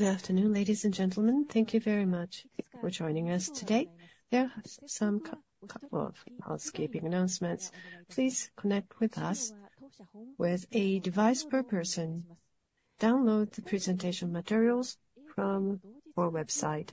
Good afternoon, ladies and gentlemen. Thank you very much for joining us today. There are some couple of housekeeping announcements. Please connect with us with a device per person. Download the presentation materials from our website.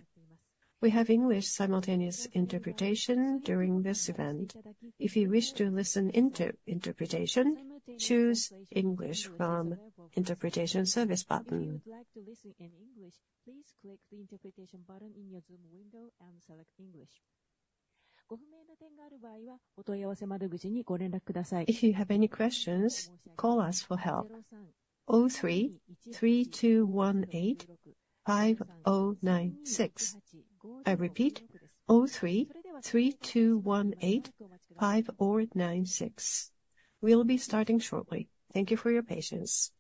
We have English simultaneous interpretation during this event. If you wish to listen into interpretation, choose English from Interpretation Service button. If you would like to listen in English, please click the Interpretation button in your Zoom window and select English. If you have any questions, call us for help, 03-3218-5096. I repeat, 03-3218-5096. We'll be starting shortly. Thank you for your patience.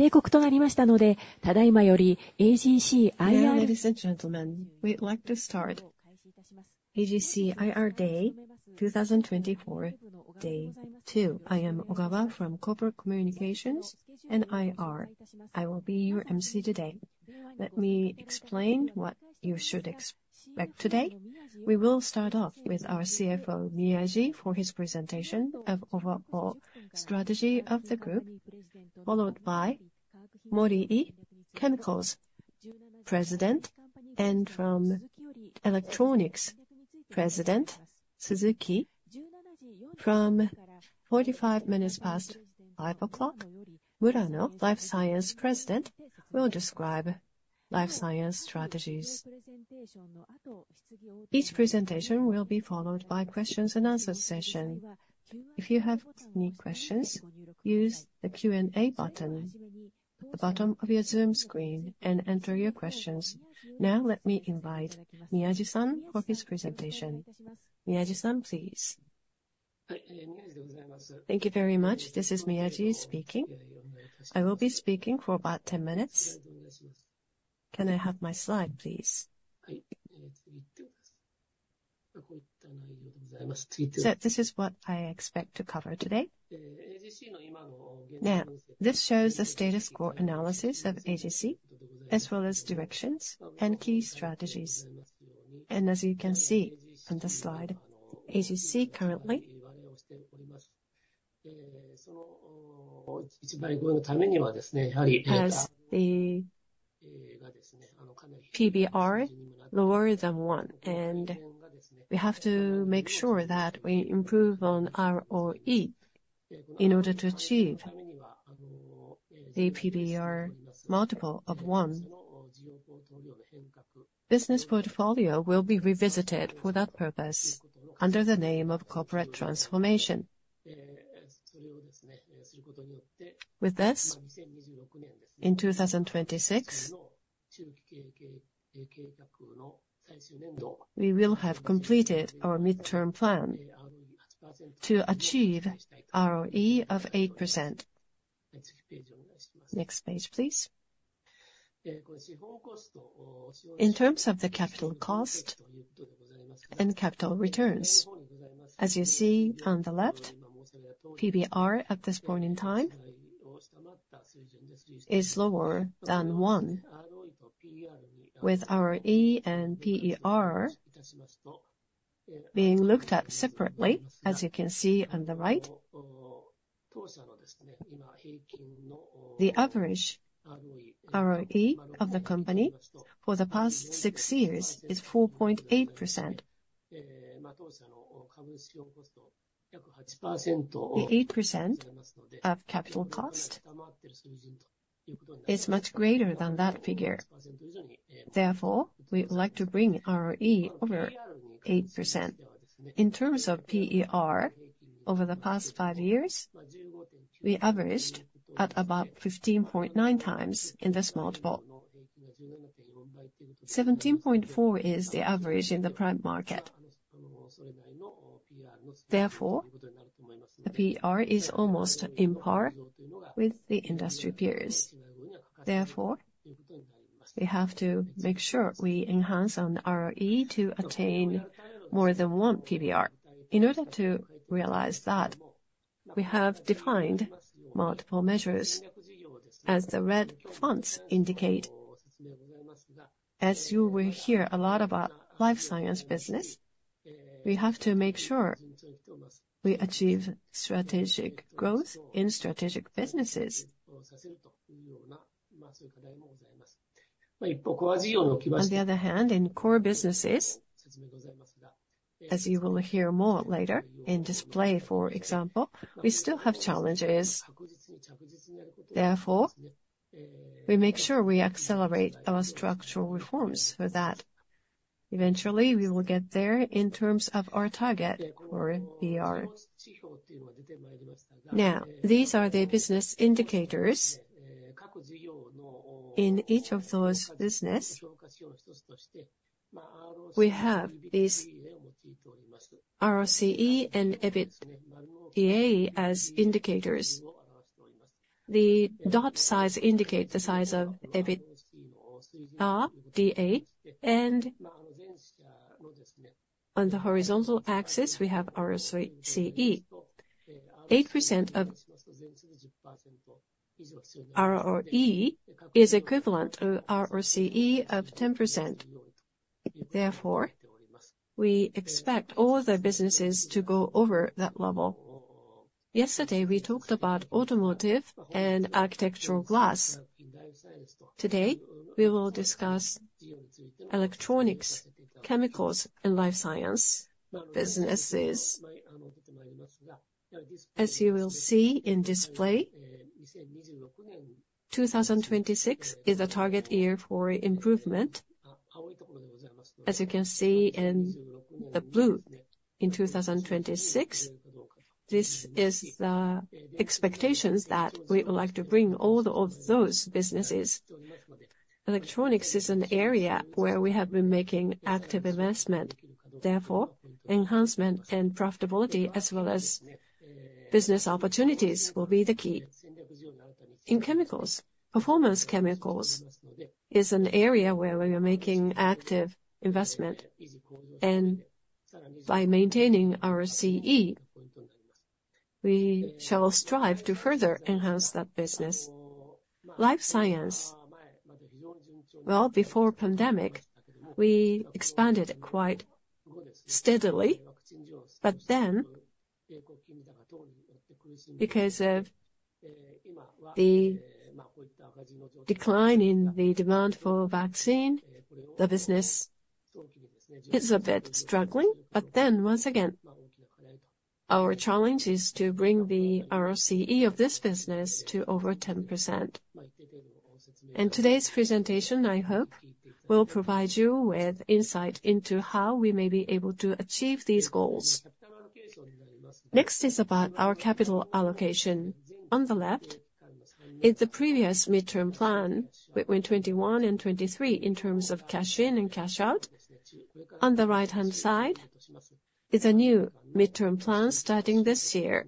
Good afternoon, ladies and gentlemen, we'd like to start AGC IR Day 2024, Day 2. I am Ogawa from Corporate Communications and IR. I will be your emcee today. Let me explain what you should expect today. We will start off with our CFO, Miyaji, for his presentation of overall strategy of the group, followed by Momii, Chemicals president, and from Electronics president, Suzuki. From 5:45 P.M., Murano, Life Science president, will describe Life Science strategies. Each presentation will be followed by questions and answer session. If you have any questions, use the Q&A button at the bottom of your Zoom screen and enter your questions. Now let me invite Miyaji-san for his presentation. Miyaji-san, please. Thank you very much. This is Miyaji speaking. I will be speaking for about 10 minutes. Can I have my slide, please? So this is what I expect to cover today. Now, this shows the status quo analysis of AGC, as well as directions and key strategies. As you can see on this slide, AGC currently has the PBR lower than one, and we have to make sure that we improve on our ROE in order to achieve a PBR multiple of one. Business portfolio will be revisited for that purpose under the name of corporate transformation. With this, in 2026, we will have completed our midterm plan to achieve ROE of 8%. Next page, please. In terms of the capital cost and capital returns, as you see on the left, PBR at this point in time is lower than one, with our P/B and PBR being looked at separately, as you can see on the right. The average ROE of the company for the past six years is 4.8%. The 8% of capital cost is much greater than that figure. Therefore, we would like to bring ROE over 8%. In terms of PBR, over the past five years, we averaged at about 15.9x in this multiple. 17.4 is the average in the prime market. Therefore, the PBR is almost on par with the industry peers. Therefore, we have to make sure we enhance on ROE to attain more than 1 PBR. In order to realize that, we have defined multiple measures, as the red fonts indicate. As you will hear a lot about Life Science business, we have to make sure we achieve strategic growth in strategic businesses. On the other hand, in core businesses, as you will hear more later, in Display, for example, we still have challenges. Therefore, we make sure we accelerate our structural reforms for that. Eventually, we will get there in terms of our target for PBR. Now, these are the business indicators. In each of those businesses, we have these ROCE and EBITDA as indicators. The dot size indicates the size of EBITDA, and on the horizontal axis, we have ROCE. 8% of ROE is equivalent to ROCE of 10%. Therefore, we expect all the businesses to go over that level. Yesterday, we talked about automotive and architectural glass. Today, we will discuss Electronics, Chemicals, and Life Science businesses. As you will see in Display, 2026 is the target year for improvement. As you can see in the blue, in 2026, this is the expectations that we would like to bring all of those businesses. Electronics is an area where we have been making active investment. Therefore, enhancement and profitability, as well as business opportunities, will be the key. In Chemicals, Performance Chemicals is an area where we are making active investment, and by maintaining our ROCE, we shall strive to further enhance that business. Life Science, well, before pandemic, we expanded quite steadily, but then, because of the decline in the demand for vaccine, the business is a bit struggling. But then, once again, our challenge is to bring the ROCE of this business to over 10%. And today's presentation, I hope, will provide you with insight into how we may be able to achieve these goals. Next is about our capital allocation. On the left is the previous midterm plan between 2021 and 2023, in terms of cash in and cash out. On the right-hand side is a new midterm plan starting this year.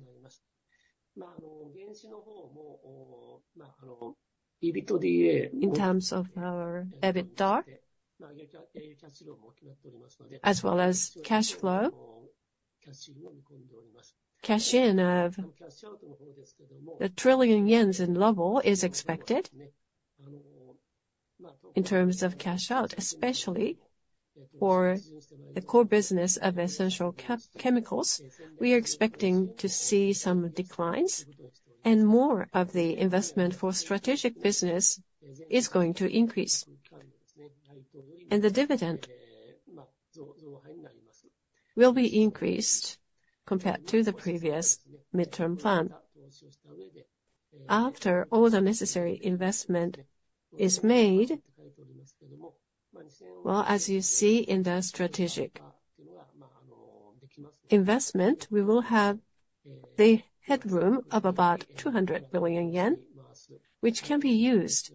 In terms of our EBITDA, as well as cash flow, cash in of 1 trillion yen level is expected. In terms of cash out, especially for the core business of Essential Chemicals, we are expecting to see some declines, and more of the investment for strategic business is going to increase. The dividend will be increased compared to the previous midterm plan. After all the necessary investment is made, well, as you see in the strategic investment, we will have the headroom of about 200 billion yen, which can be used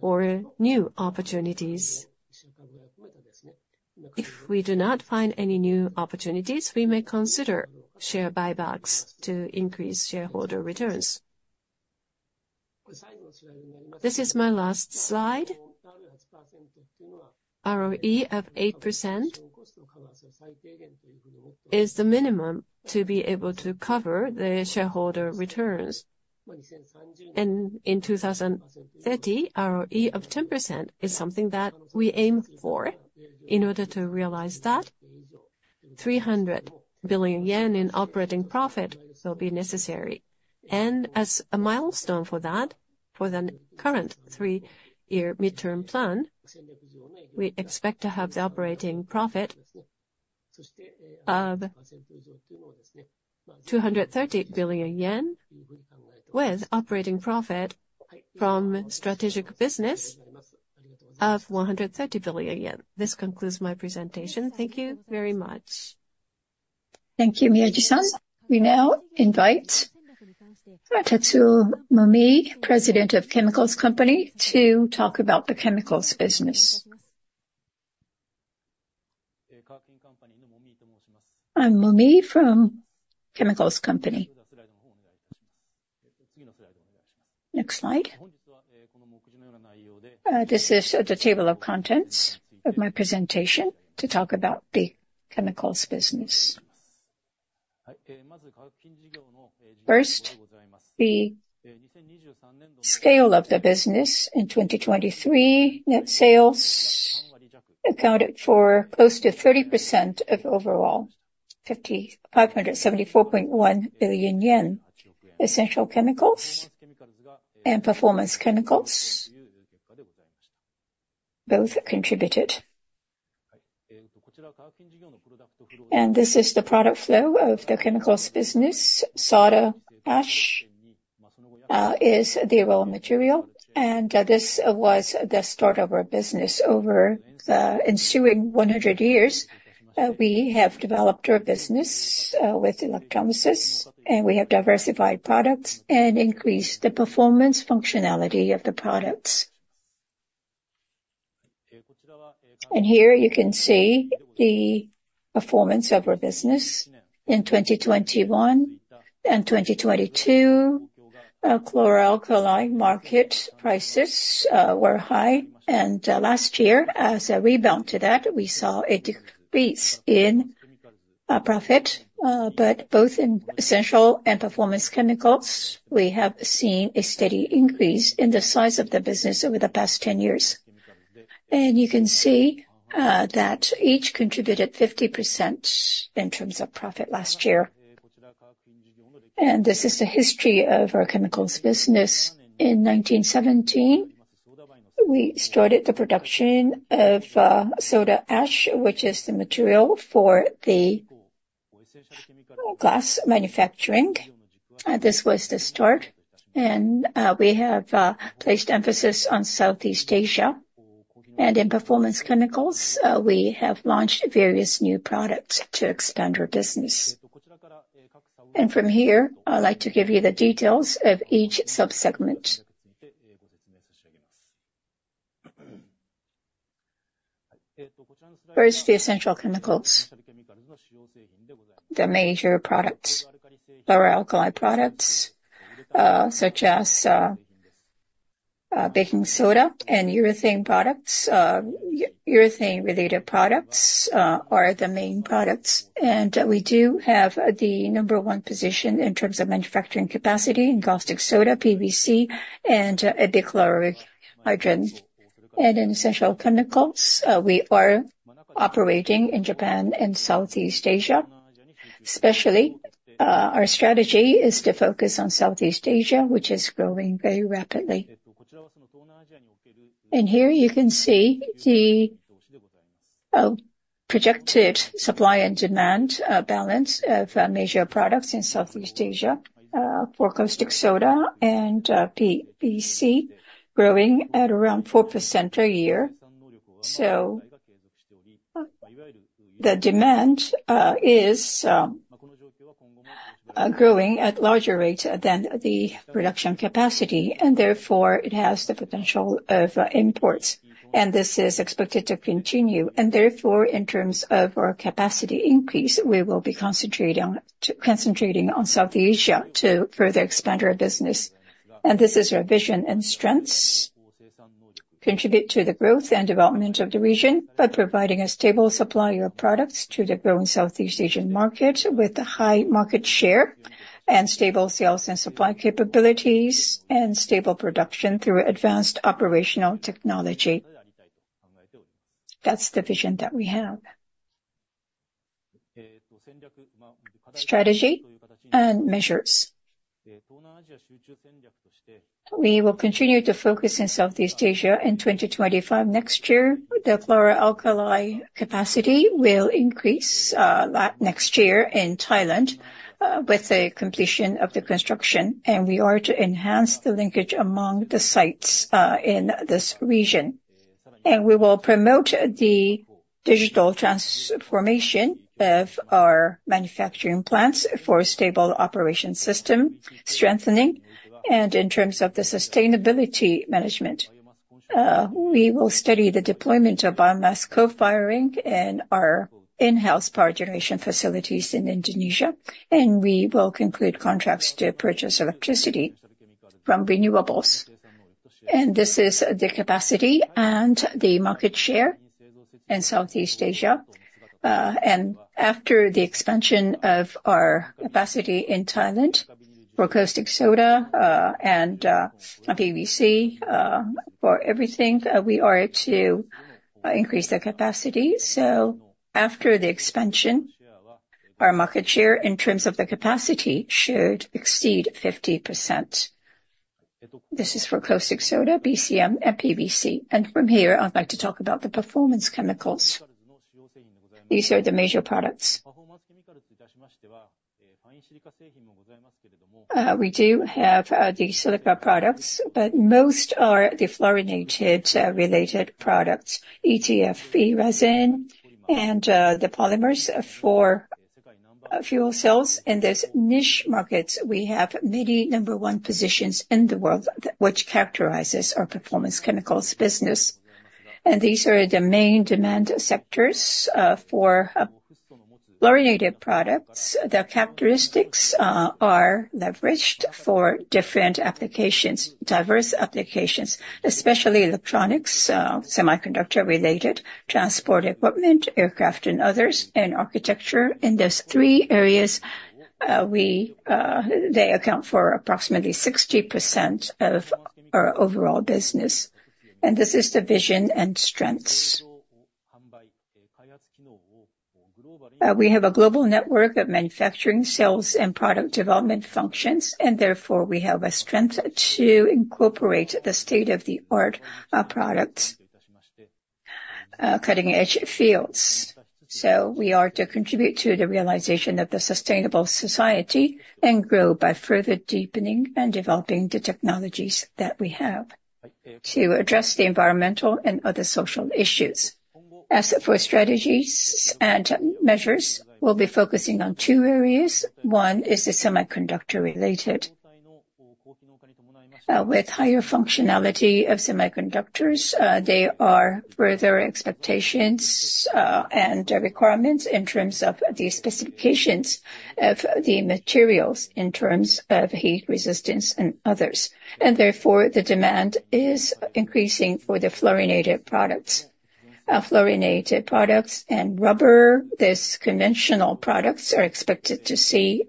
for new opportunities. If we do not find any new opportunities, we may consider share buybacks to increase shareholder returns. This is my last slide. ROE of 8% is the minimum to be able to cover the shareholder returns. In 2030, ROE of 10% is something that we aim for. In order to realize that, 300 billion yen in operating profit will be necessary. As a milestone for that, for the current three-year midterm plan... We expect to have the operating profit of 230 billion yen, with operating profit from strategic business of 130 billion yen. This concludes my presentation. Thank you very much. Thank you, Miyaji-san. We now invite Tatsuo Momii, President of Chemicals Company, to talk about the Chemicals business. I'm Momii from Chemicals Company. Next slide. This is the table of contents of my presentation to talk about the Chemicals business. First, the scale of the business in 2023, net sales accounted for close to 30% of overall 557.4 billion yen. Essential Chemicals and Performance Chemicals both contributed. This is the product flow of the Chemicals business. Soda ash is the raw material, and this was the start of our business. Over the ensuing 100 years, we have developed our business with electrolysis, and we have diversified products and increased the performance functionality of the products. Here you can see the performance of our business. In 2021 and 2022, our chloralkali market prices were high, and last year, as a rebound to that, we saw a decrease in profit. But both in Essential and Performance Chemicals, we have seen a steady increase in the size of the business over the past 10 years. And you can see that each contributed 50% in terms of profit last year. And this is the history of our Chemicals business. In 1917, we started the production of soda ash, which is the material for the glass manufacturing. This was the start, and we have placed emphasis on Southeast Asia. And in Performance Chemicals, we have launched various new products to expand our business. And from here, I'd like to give you the details of each sub-segment. First, the Essential Chemicals. The major products are alkali products such as baking soda and urethane products. Urethane-related products are the main products, and we do have the number one position in terms of manufacturing capacity in caustic soda, PVC, and hydrochloric acid. And in Essential Chemicals, we are operating in Japan and Southeast Asia, especially, our strategy is to focus on Southeast Asia, which is growing very rapidly. And here you can see the projected supply and demand balance of our major products in Southeast Asia for caustic soda and PVC, growing at around 4% a year. So, the demand is growing at larger rate than the production capacity, and therefore it has the potential of imports, and this is expected to continue. And therefore, in terms of our capacity increase, we will be concentrating on Southeast Asia to further expand our business. This is our vision and strengths: contribute to the growth and development of the region by providing a stable supply of products to the growing Southeast Asian market, with a high market share and stable sales and supply capabilities and stable production through advanced operational technology. That's the vision that we have. Strategy and measures. We will continue to focus in Southeast Asia in 2025 next year. The chlor-alkali capacity will increase next year in Thailand with the completion of the construction, and we are to enhance the linkage among the sites in this region. We will promote the digital transformation of our manufacturing plants for stable operation system strengthening. In terms of the sustainability management, we will study the deployment of biomass co-firing in our in-house power generation facilities in Indonesia, and we will conclude contracts to purchase electricity from renewables. This is the capacity and the market share in Southeast Asia. After the expansion of our capacity in Thailand for caustic soda and PVC for everything, we are to increase the capacity. So after the expansion, our market share in terms of the capacity should exceed 50%. This is for caustic soda, VCM, and PVC. From here, I'd like to talk about the Performance Chemicals. These are the major products. We do have the silica products, but most are the fluorinated related products, ETFE resin, and the polymers for fuel cells. In these niche markets, we have many number one positions in the world, which characterizes our Performance Chemicals business. These are the main demand sectors for fluorinated products. The characteristics are leveraged for different applications, diverse applications, especially electronics, semiconductor-related, transport equipment, aircraft and others, and architecture. In these three areas, we, they account for approximately 60% of our overall business, and this is the vision and strengths. We have a global network of manufacturing, sales, and product development functions, and therefore, we have a strength to incorporate the state-of-the-art, products, cutting-edge fields. So we are to contribute to the realization of the sustainable society and grow by further deepening and developing the technologies that we have to address the environmental and other social issues. As for strategies and measures, we'll be focusing on two areas. One is the semiconductor-related. With higher functionality of semiconductors, there are further expectations, and requirements in terms of the specifications of the materials, in terms of heat resistance and others. Therefore, the demand is increasing for the fluorinated products. Our fluorinated products and rubber, these conventional products, are expected to see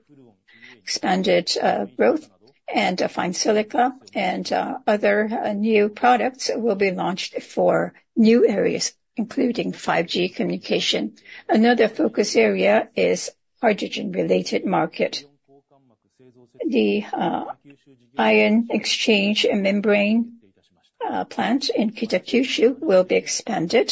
expanded growth and a fine silica, and other new products will be launched for new areas, including 5G communication. Another focus area is hydrogen-related market. The ion exchange and membrane plant in Kitakyushu will be expanded.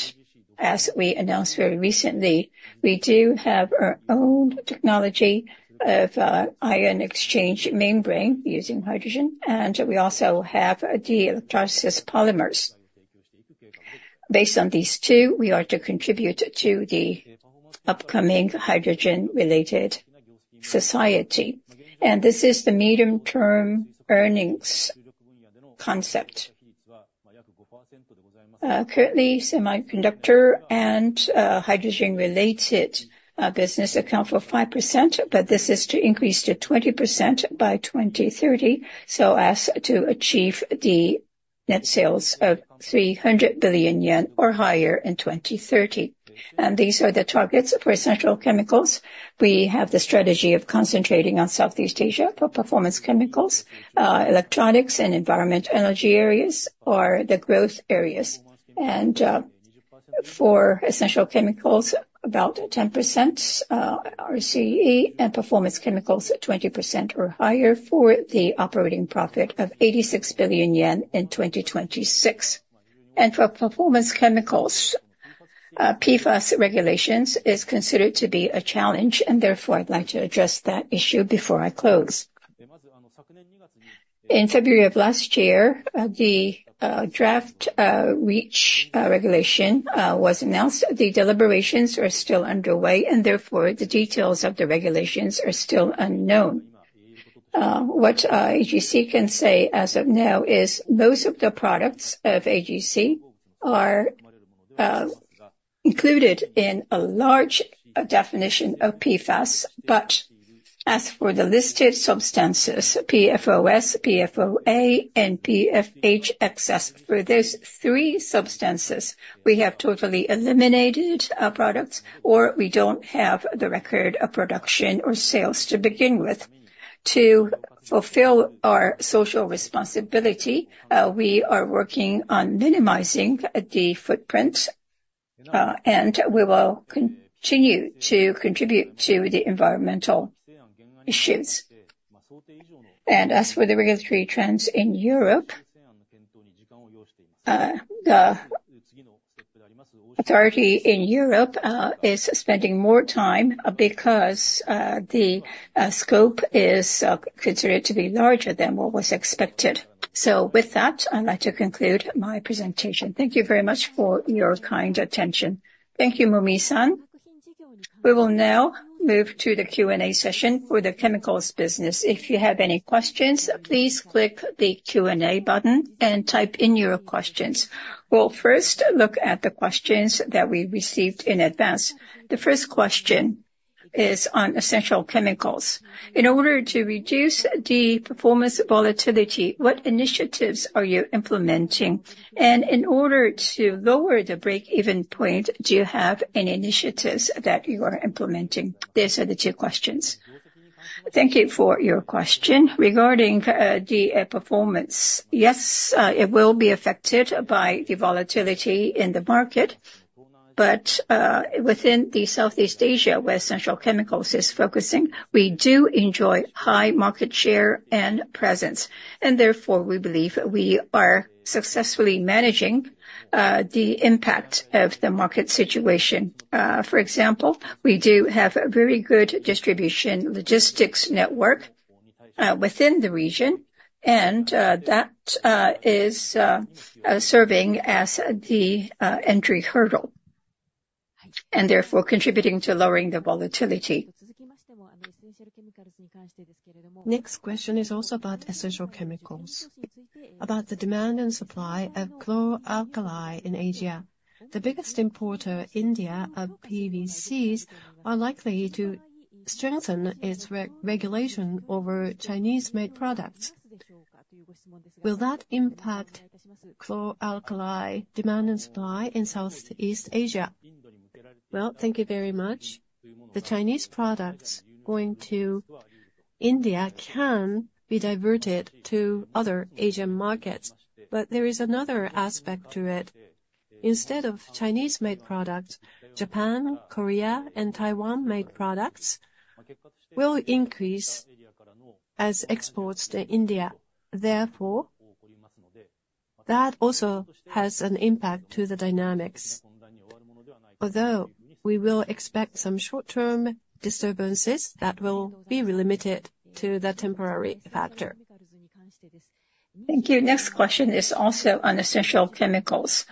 As we announced very recently, we do have our own technology of ion exchange membrane using hydrogen, and we also have the electrolysis polymers. Based on these two, we are to contribute to the upcoming hydrogen-related society, and this is the medium-term earnings concept. Currently, semiconductor and hydrogen-related business account for 5%, but this is to increase to 20% by 2030, so as to achieve the net sales of 300 billion yen or higher in 2030. These are the targets for Essential Chemicals. We have the strategy of concentrating on Southeast Asia for Performance Chemicals. Electronics and environment energy areas are the growth areas. For Essential Chemicals, about 10% ROCE, and Performance Chemicals, 20% or higher for the operating profit of 86 billion yen in 2026. For Performance Chemicals, PFAS regulations is considered to be a challenge, and therefore, I'd like to address that issue before I close. In February of last year, the draft REACH regulation was announced. The deliberations are still underway, and therefore, the details of the regulations are still unknown. What AGC can say as of now is most of the products of AGC are included in a large definition of PFAS. As for the listed substances, PFOS, PFOA, and PFHxS, for these three substances, we have totally eliminated our products, or we don't have the record of production or sales to begin with. To fulfill our social responsibility, we are working on minimizing the footprint, and we will continue to contribute to the environmental issues. As for the regulatory trends in Europe, the authority in Europe is spending more time because the scope is considered to be larger than what was expected. So with that, I'd like to conclude my presentation. Thank you very much for your kind attention. Thank you, Momii-san. We will now move to the Q&A session for the Chemicals business. If you have any questions, please click the Q&A button and type in your questions. We'll first look at the questions that we received in advance. The first question is on Essential Chemicals. In order to reduce the performance volatility, what initiatives are you implementing? And in order to lower the break-even point, do you have any initiatives that you are implementing? These are the two questions. Thank you for your question. Regarding the performance, yes, it will be affected by the volatility in the market, but within the Southeast Asia, where Essential Chemicals is focusing, we do enjoy high market share and presence, and therefore, we believe we are successfully managing the impact of the market situation. For example, we do have a very good distribution logistics network within the region, and that is serving as the entry hurdle, and therefore contributing to lowering the volatility. Next question is also about Essential Chemicals, about the demand and supply of chlor-alkali in Asia. The biggest importer, India, of PVCs, are likely to strengthen its re-regulation over Chinese-made products. Will that impact chlor-alkali demand and supply in Southeast Asia? Well, thank you very much. The Chinese products going to India can be diverted to other Asian markets, but there is another aspect to it. Instead of Chinese-made products, Japan, Korea, and Taiwan-made products will increase as exports to India. Therefore, that also has an impact to the dynamics. Although we will expect some short-term disturbances, that will be limited to the temporary factor. Thank you. Next question is also on Essential Chemicals.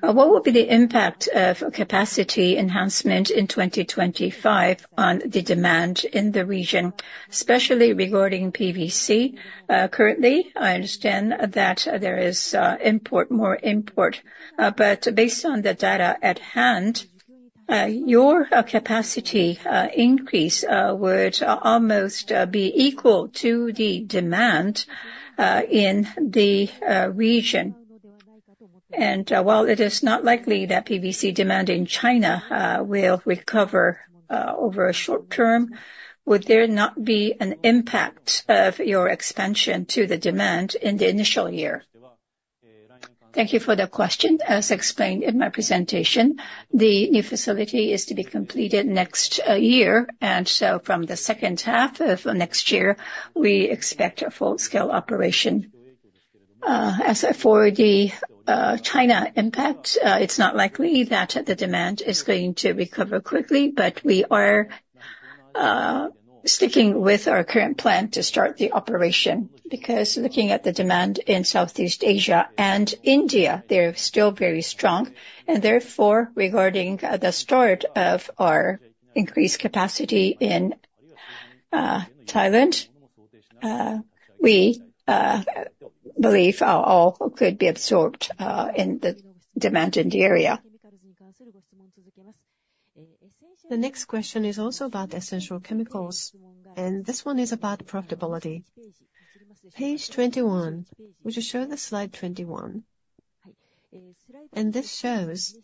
What will be the impact of capacity enhancement in 2025 on the demand in the region, especially regarding PVC? Currently, I understand that there is import, more import, but based on the data at hand, your capacity increase would almost be equal to the demand in the region. While it is not likely that PVC demand in China will recover over a short term, would there not be an impact of your expansion to the demand in the initial year? Thank you for the question. As explained in my presentation, the new facility is to be completed next year, and so from the second half of next year, we expect a full-scale operation. As for the China impact, it's not likely that the demand is going to recover quickly, but we are sticking with our current plan to start the operation. Because looking at the demand in Southeast Asia and India, they're still very strong, and therefore, regarding the start of our increased capacity in Thailand, we believe overall could be absorbed in the demand in the area. The next question is also about Essential Chemicals, and this one is about profitability. Page 21, would you show the slide 21? And this shows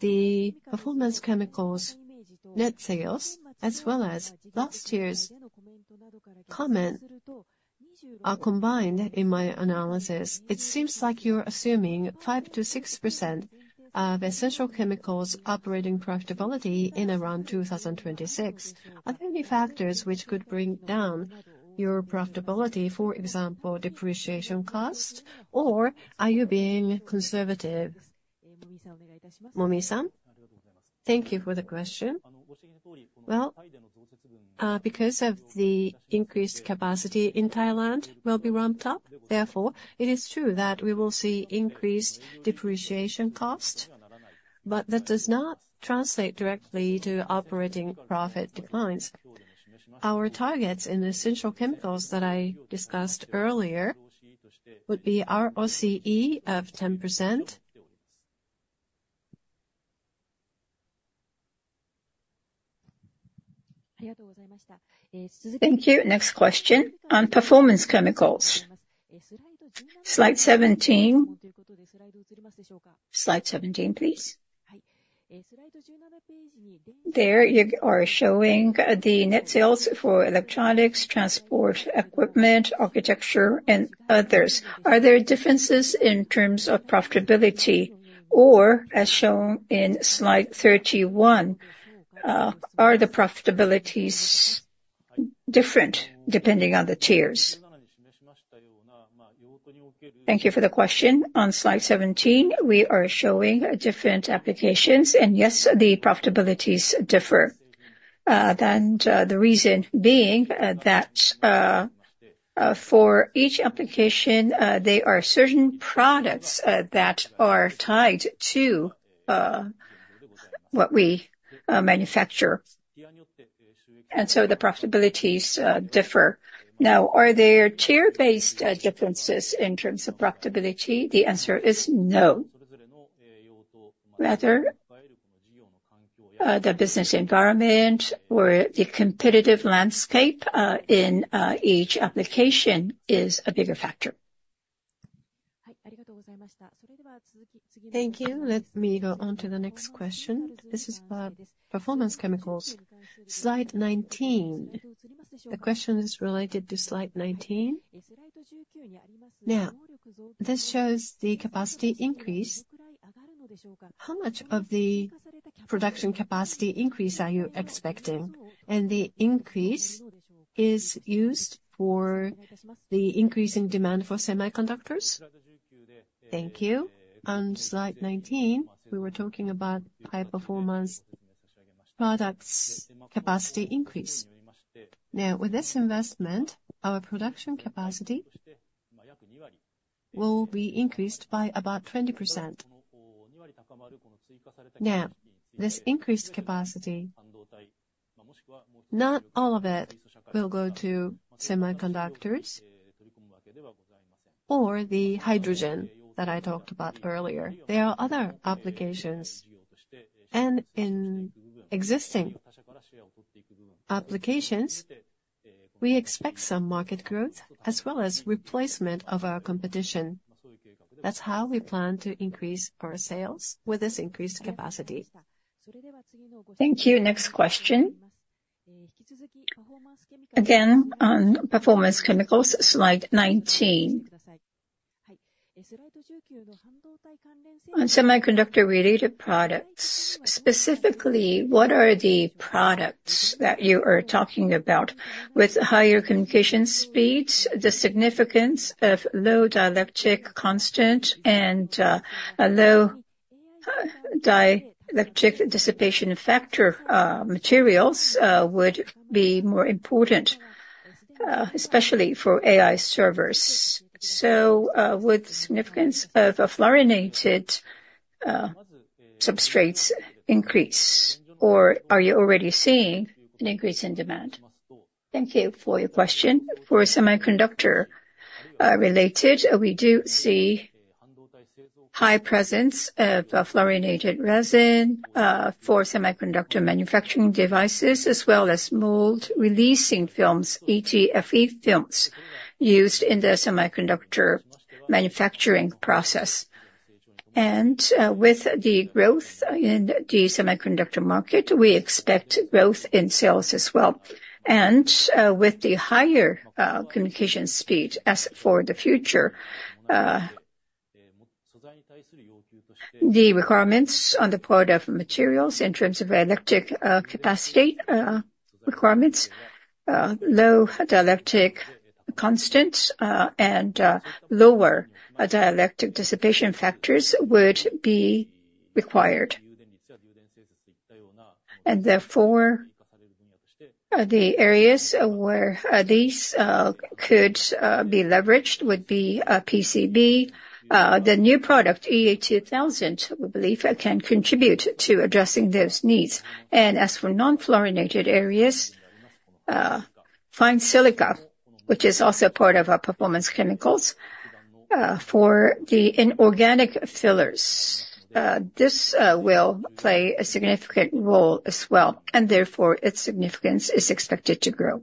the Performance Chemicals net sales, as well as last year's comment are combined in my analysis. It seems like you're assuming 5%-6% of Essential Chemicals' operating profitability in around 2026. Are there any factors which could bring down your profitability, for example, depreciation cost? Or are you being conservative? Momii-san? Thank you for the question. Well, because of the increased capacity in Thailand will be ramped up, therefore, it is true that we will see increased depreciation cost, but that does not translate directly to operating profit declines. Our targets in Essential Chemicals that I discussed earlier would be ROCE of 10%. Thank you. Next question on Performance Chemicals. Slide 17. Slide 17, please. There, you are showing the net sales for electronics, transport, equipment, architecture, and others. Are there differences in terms of profitability, or as shown in slide 31, are the profitabilities different depending on the tiers? Thank you for the question. On slide 17, we are showing different applications, and yes, the profitabilities differ. And, the reason being, that, for each application, there are certain products, that are tied to, what we, manufacture. And so the profitabilities, differ. Now, are there tier-based differences in terms of profitability? The answer is no. Rather, the business environment or the competitive landscape in each application is a bigger factor. Thank you. Let me go on to the next question. This is about Performance Chemicals. Slide 19.... The question is related to slide 19. Now, this shows the capacity increase. How much of the production capacity increase are you expecting? And the increase is used for the increasing demand for semiconductors? Thank you. On slide 19, we were talking about high performance products capacity increase. Now, with this investment, our production capacity will be increased by about 20%. Now, this increased capacity, not all of it will go to semiconductors or the hydrogen that I talked about earlier. There are other applications, and in existing applications, we expect some market growth as well as replacement of our competition. That's how we plan to increase our sales with this increased capacity. Thank you. Next question. Again, on Performance Chemicals, slide 19. On semiconductor-related products, specifically, what are the products that you are talking about? With higher communication speeds, the significance of low dielectric constant and a low dielectric dissipation factor materials would be more important, especially for AI servers. So, would significance of a fluorinated substrates increase, or are you already seeing an increase in demand? Thank you for your question. For semiconductor related, we do see high presence of a fluorinated resin for semiconductor manufacturing devices, as well as mold releasing films, ETFE films, used in the semiconductor manufacturing process. With the growth in the semiconductor market, we expect growth in sales as well. With the higher communication speed as for the future, the requirements on the part of materials in terms of electric capacity requirements low dielectric constants and lower dielectric dissipation factors would be required. Therefore, the areas where these could be leveraged would be a PCB. The new product, EA-2000, we believe, can contribute to addressing those needs. As for non-fluorinated areas, fine silica, which is also part of our Performance Chemicals, for the inorganic fillers, this will play a significant role as well, and therefore, its significance is expected to grow.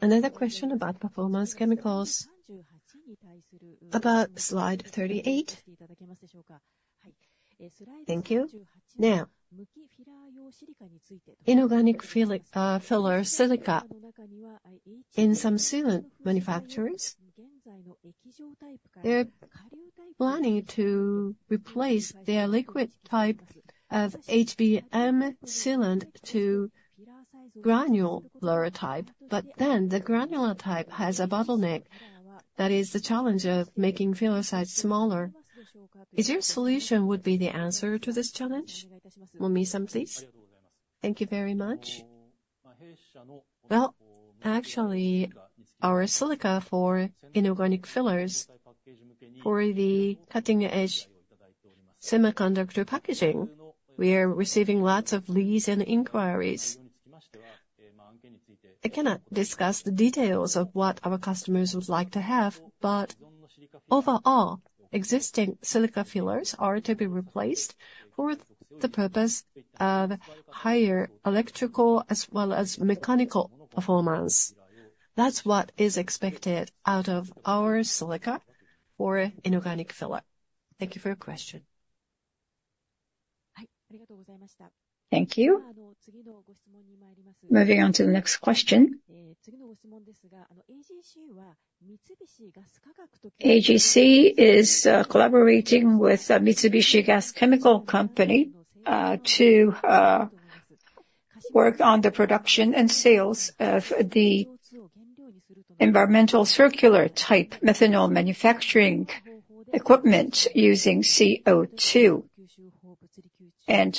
Another question about Performance Chemicals, about slide 38. Thank you. Now, inorganic filler silica. In some sealant manufacturers, they're planning to replace their liquid type of HBM sealant to granular type, but then the granular type has a bottleneck that is the challenge of making filler size smaller. Is your solution would be the answer to this challenge? Momii, please. Thank you very much. Well, actually, our silica for inorganic fillers for the cutting-edge semiconductor packaging, we are receiving lots of leads and inquiries. I cannot discuss the details of what our customers would like to have, but overall, existing silica fillers are to be replaced for the purpose of higher electrical as well as mechanical performance. That's what is expected out of our silica for inorganic filler. Thank you for your question. Thank you. Moving on to the next question. AGC is collaborating with Mitsubishi Gas Chemical Company to work on the production and sales of the environmental circular type methanol manufacturing equipment using CO2.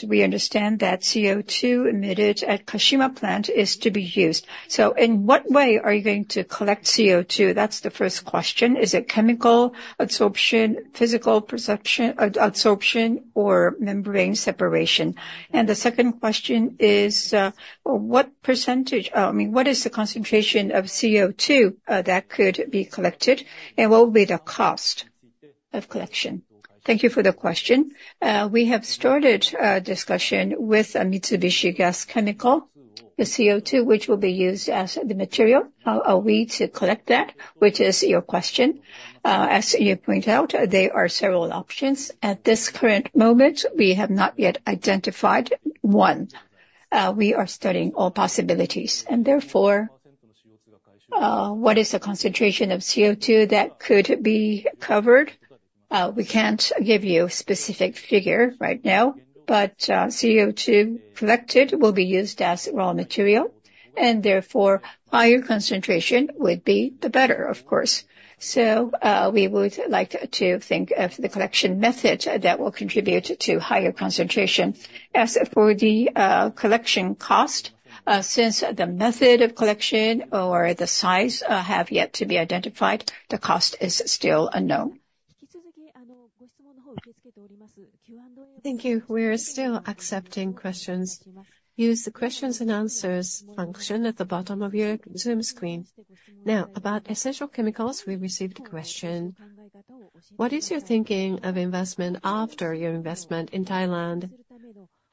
We understand that CO2 emitted at Kashima Plant is to be used. So in what way are you going to collect CO2? That's the first question. Is it chemical absorption, physical absorption, or membrane separation? And the second question is, what percentage, I mean, what is the concentration of CO2 that could be collected, and what will be the cost of collection? Thank you for the question. We have started a discussion with Mitsubishi Gas Chemical Company, the CO2, which will be used as the material. How are we to collect that? Which is your question. As you point out, there are several options. At this current moment, we have not yet identified one. We are studying all possibilities, and therefore, what is the concentration of CO2 that could be covered? We can't give you a specific figure right now, but, CO2 collected will be used as raw material, and therefore, higher concentration would be the better, of course. So, we would like to think of the collection method that will contribute to higher concentration. As for the collection cost, since the method of collection or the size have yet to be identified, the cost is still unknown. Thank you. We're still accepting questions. Use the questions and answers function at the bottom of your Zoom screen. Now, about Essential Chemicals, we received a question: "What is your thinking of investment after your investment in Thailand?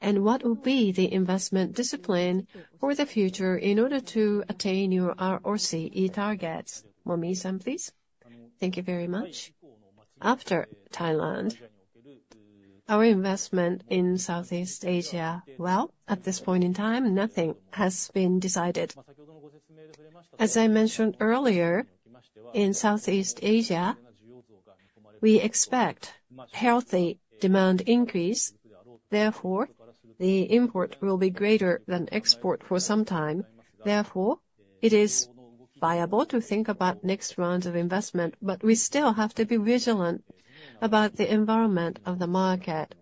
And what will be the investment discipline for the future in order to attain your ROCE targets?" Momii-san, please. Thank you very much. After Thailand, our investment in Southeast Asia, well, at this point in time, nothing has been decided. As I mentioned earlier, in Southeast Asia, we expect healthy demand increase, therefore, the import will be greater than export for some time. Therefore, it is viable to think about next rounds of investment, but we still have to be vigilant about the environment of the market.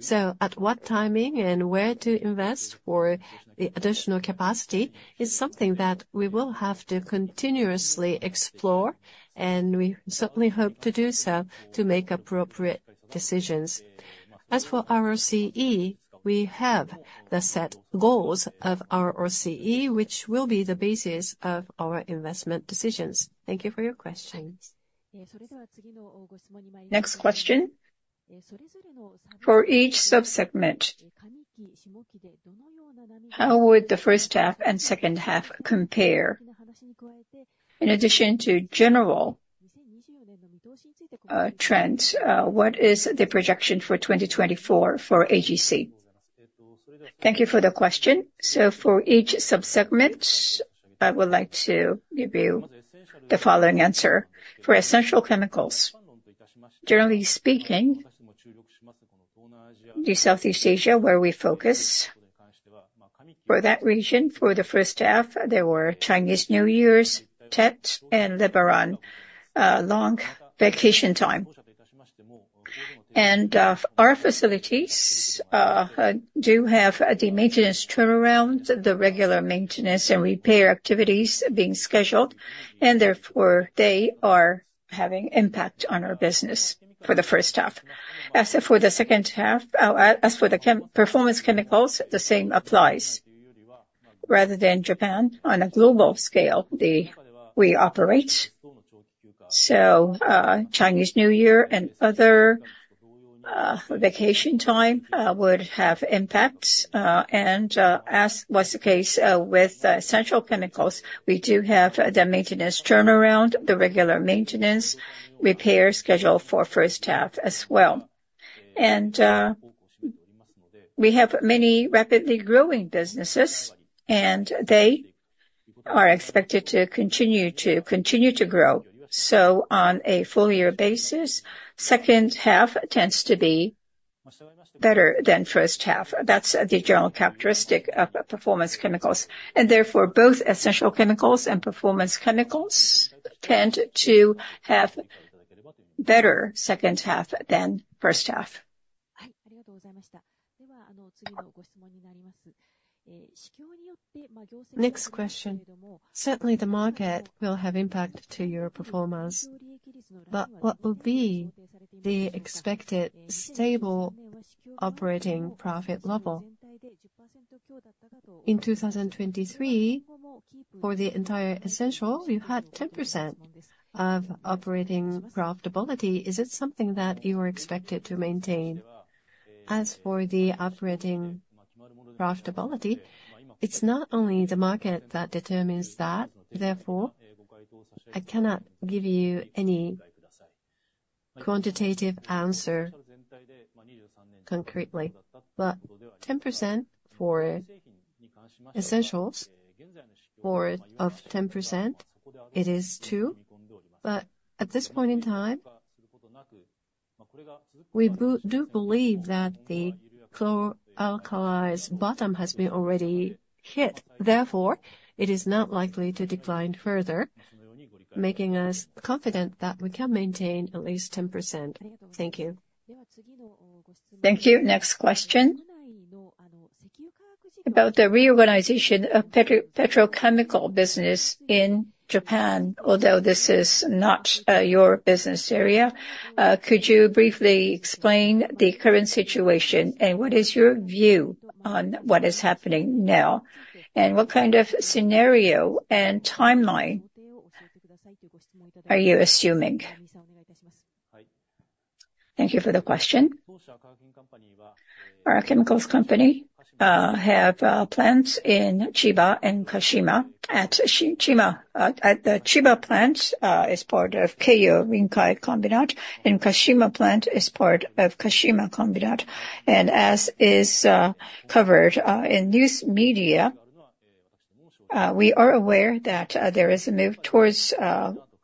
So at what timing and where to invest for the additional capacity is something that we will have to continuously explore, and we certainly hope to do so to make appropriate decisions. As for ROCE, we have the set goals of ROCE, which will be the basis of our investment decisions. Thank you for your question. Next question: "For each sub-segment, how would the first half and second half compare? In addition to general trends, what is the projection for 2024 for AGC? Thank you for the question. So for each sub-segment, I would like to give you the following answer. For Essential Chemicals, generally speaking, the Southeast Asia, where we focus, for that region, for the first half, there were Chinese New Years, Tet, and Lebaran, long vacation time. Our facilities do have the maintenance turnaround, the regular maintenance and repair activities being scheduled, and therefore, they are having impact on our business for the first half. As for the second half, as for the Performance Chemicals, the same applies. Rather than Japan, on a global scale, we operate. So, Chinese New Year and other vacation time would have impacts, and, as was the case, with Essential Chemicals, we do have the maintenance turnaround, the regular maintenance, repair schedule for first half as well. We have many rapidly growing businesses, and they are expected to continue to grow. So on a full-year basis, second half tends to be better than first half. That's the general characteristic of Performance Chemicals. And therefore, both Essential Chemicals and Performance Chemicals tend to have better second half than first half. Next question: "Certainly, the market will have impact to your performance, but what will be the expected stable operating profit level? In 2023, for the entire Essential, you had 10% of operating profitability. Is it something that you are expected to maintain?" As for the operating profitability, it's not only the market that determines that, therefore, I cannot give you any quantitative answer concretely. But 10% for Essentials, or of 10%, it is two. But at this point in time, we do believe that the chlor-alkali's bottom has been already hit. Therefore, it is not likely to decline further, making us confident that we can maintain at least 10%. Thank you. Thank you. Next question: "About the reorganization of petrochemical business in Japan, although this is not, your business area, could you briefly explain the current situation, and what is your view on what is happening now? And what kind of scenario and timeline are you assuming?" Thank you for the question. Our Chemicals Company have plants in Chiba and Kashima. At Chiba, at the Chiba Plant, is part of Keiyo Rinkai Combinat, and Kashima Plant is part of Kashima Combinat. And as is covered in news media, we are aware that there is a move towards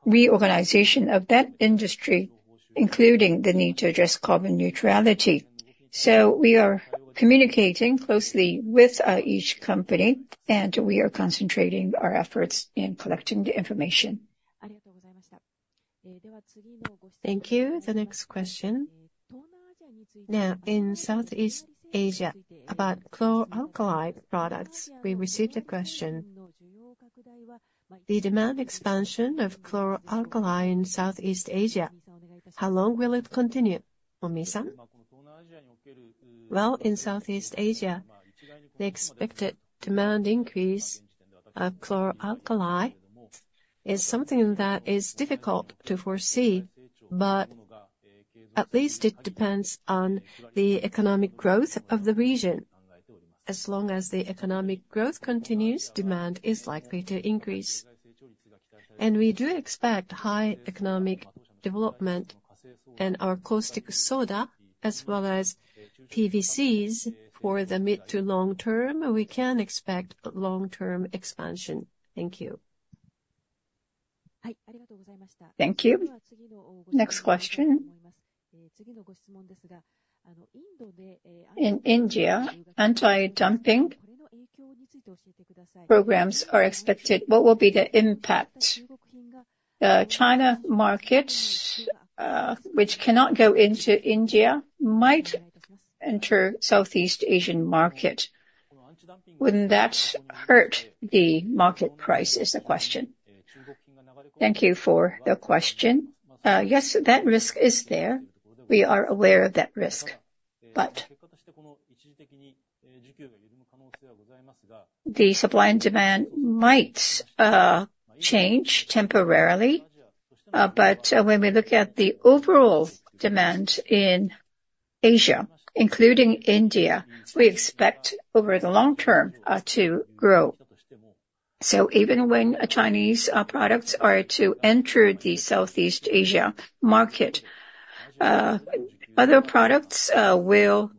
reorganization of that industry, including the need to address carbon neutrality. So we are communicating closely with each company, and we are concentrating our efforts in collecting the information. Thank you. The next question. Now, in Southeast Asia, about chlor-alkali products, we received a question. The demand expansion of chlor-alkali in Southeast Asia, how long will it continue? Momii-san? Well, in Southeast Asia, the expected demand increase of chlor-alkali is something that is difficult to foresee, but at least it depends on the economic growth of the region. As long as the economic growth continues, demand is likely to increase. We do expect high economic development in our caustic soda as well as PVCs for the mid- to long-term, we can expect long-term expansion. Thank you. Thank you. Next question. In India, anti-dumping programs are expected. What will be the impact? China market, which cannot go into India, might enter Southeast Asian market. Wouldn't that hurt the market price, is the question. Thank you for the question. Yes, that risk is there. We are aware of that risk, but the supply and demand might change temporarily. But when we look at the overall demand in Asia, including India, we expect over the long term to grow. So even when Chinese products are to enter the Southeast Asia market, other products will,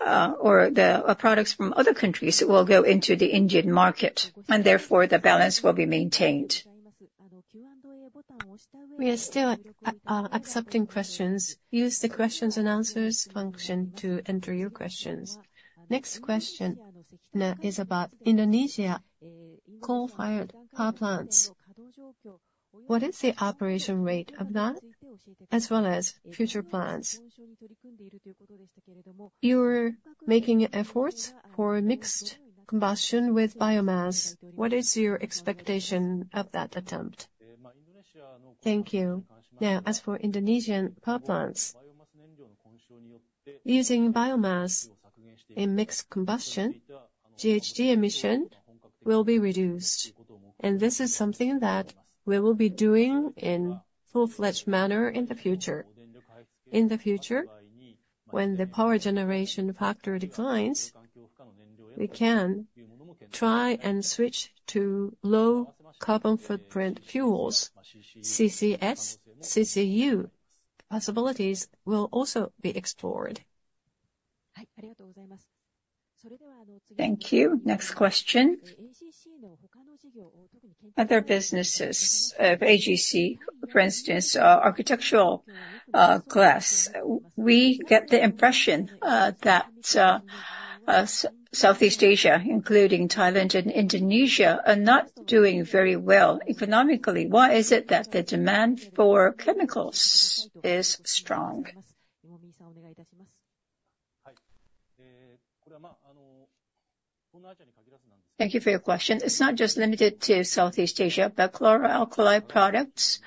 or the products from other countries will go into the Indian market, and therefore, the balance will be maintained. We are still accepting questions. Use the questions and answers function to enter your questions. Next question is about Indonesia coal-fired power plants. What is the operation rate of that, as well as future plans? You're making efforts for mixed combustion with biomass. What is your expectation of that attempt? Thank you. Now, as for Indonesian power plants, using biomass in mixed combustion, GHG emission will be reduced, and this is something that we will be doing in full-fledged manner in the future. In the future, when the power generation factor declines, we can try and switch to low carbon footprint fuels, CCS, CCU. Possibilities will also be explored. Thank you. Next question. Other businesses of AGC, for instance, architectural glass. We get the impression that Southeast Asia, including Thailand and Indonesia, are not doing very well economically. Why is it that the demand for Chemicals is strong? Thank you for your question. It's not just limited to Southeast Asia, but chloralkali products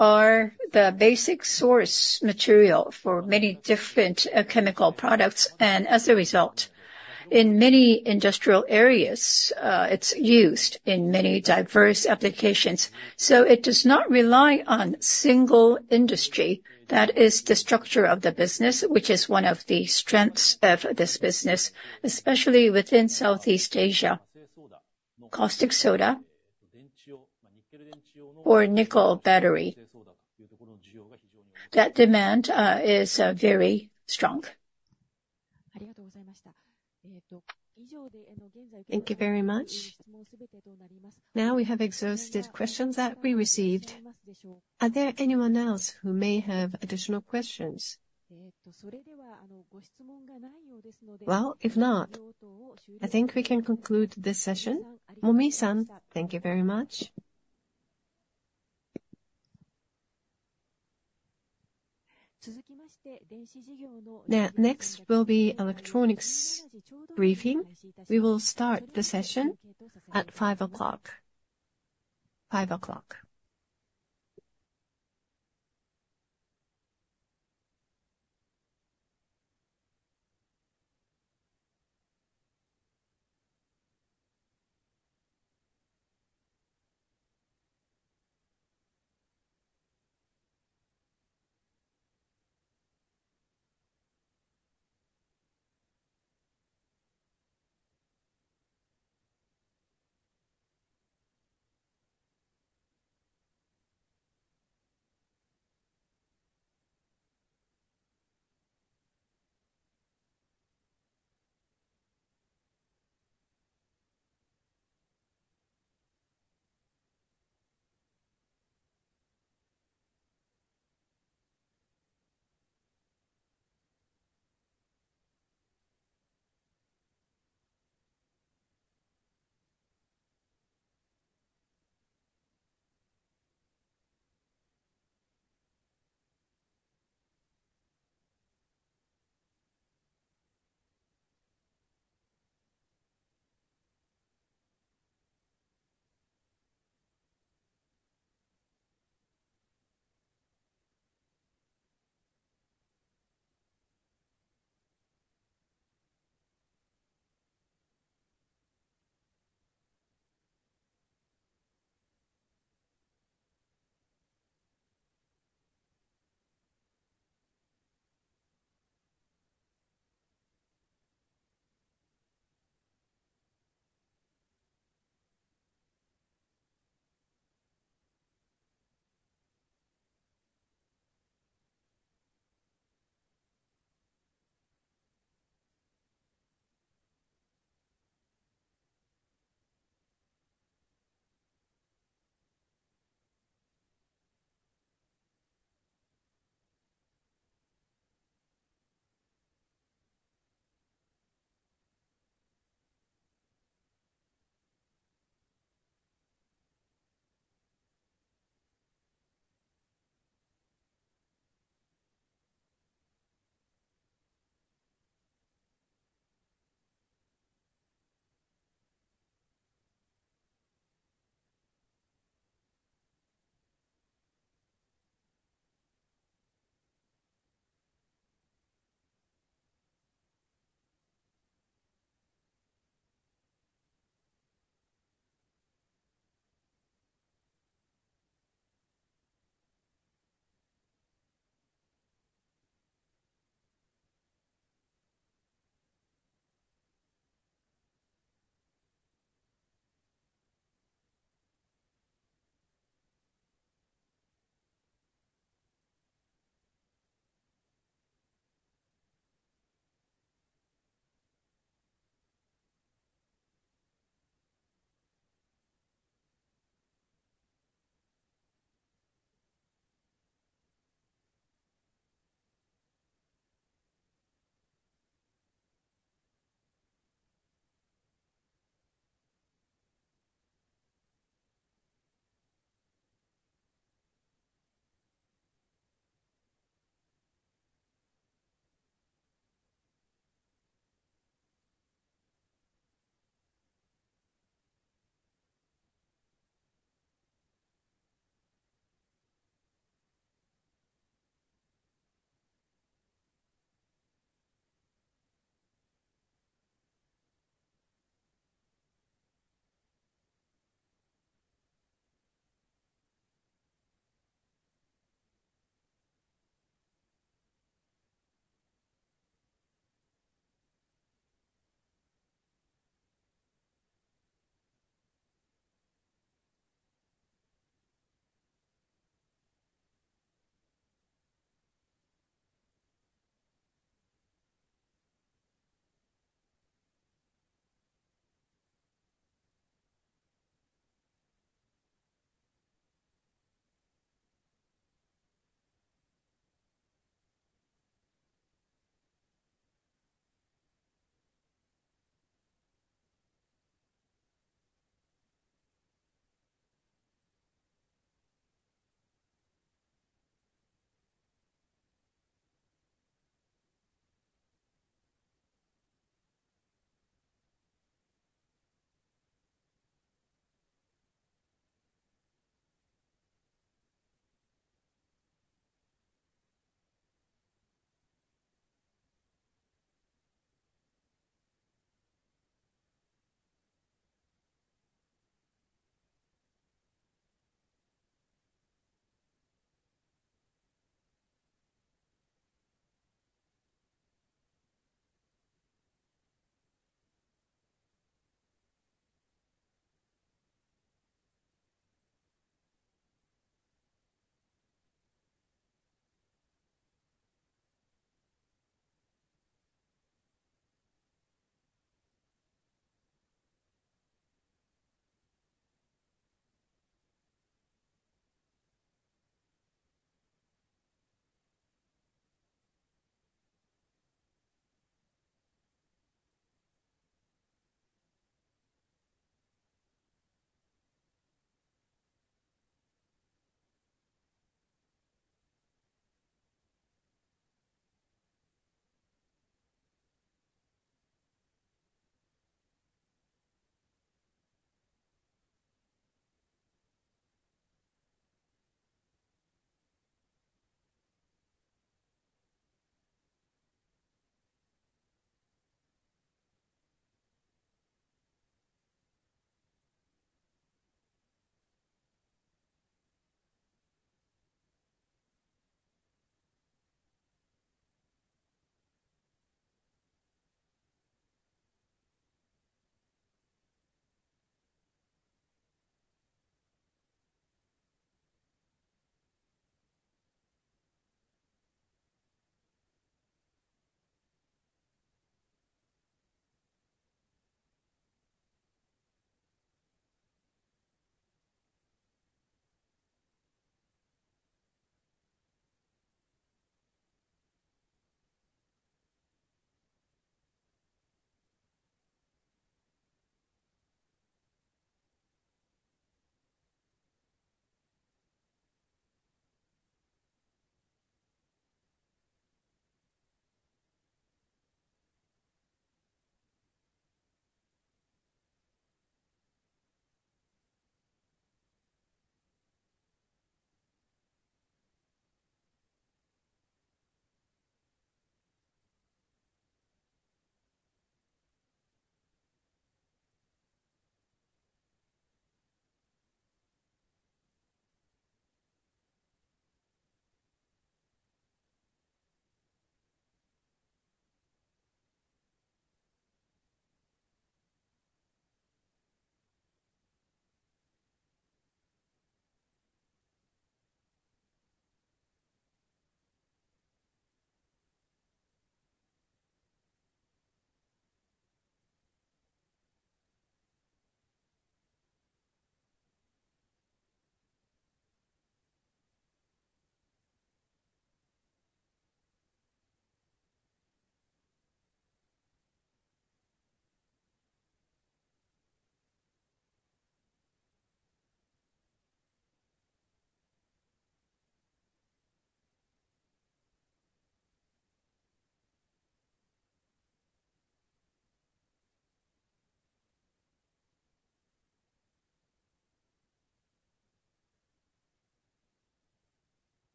are the basic source material for many different chemical products, and as a result, in many industrial areas, it's used in many diverse applications. So it does not rely on single industry. That is the structure of the business, which is one of the strengths of this business, especially within Southeast Asia. Caustic soda or nickel battery, that demand is very strong. Thank you very much. Now, we have exhausted questions that we received. Are there anyone else who may have additional questions? Well, if not, I think we can conclude this session. Momii-san, thank you very much. Now, next will be electronics briefing. We will start the session at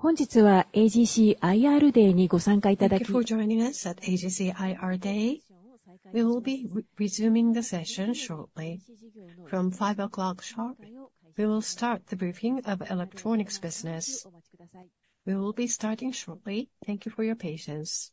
5:00 P.M. 5:00 P.M.... Thank you for joining us at AGC IR Day. We will be resuming the session shortly. From 5:00 P.M. sharp, we will start the briefing of Electronics business. We will be starting shortly. Thank you for your patience....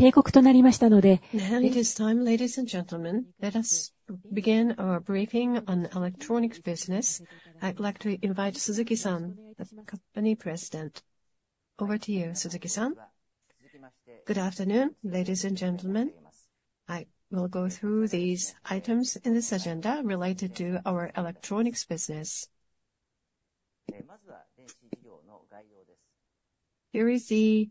It is time, ladies and gentlemen. Let us begin our briefing on Electronics business. I'd like to invite Suzuki-san, the company president. Over to you, Suzuki-san. Good afternoon, ladies and gentlemen. I will go through these items in this agenda related to our Electronics business. Here is the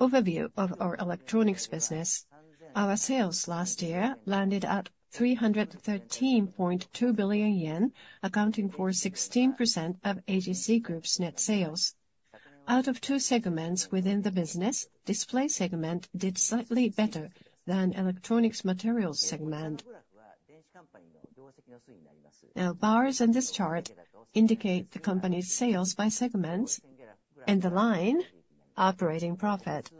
overview of our Electronics business. Our sales last year landed at 313.2 billion yen, accounting for 16% of AGC Group's net sales. Out of two segments within the business, Display segment did slightly better than Electronic Materials segment. Now, bars in this chart indicate the company's sales by segments, and the line, operating profit.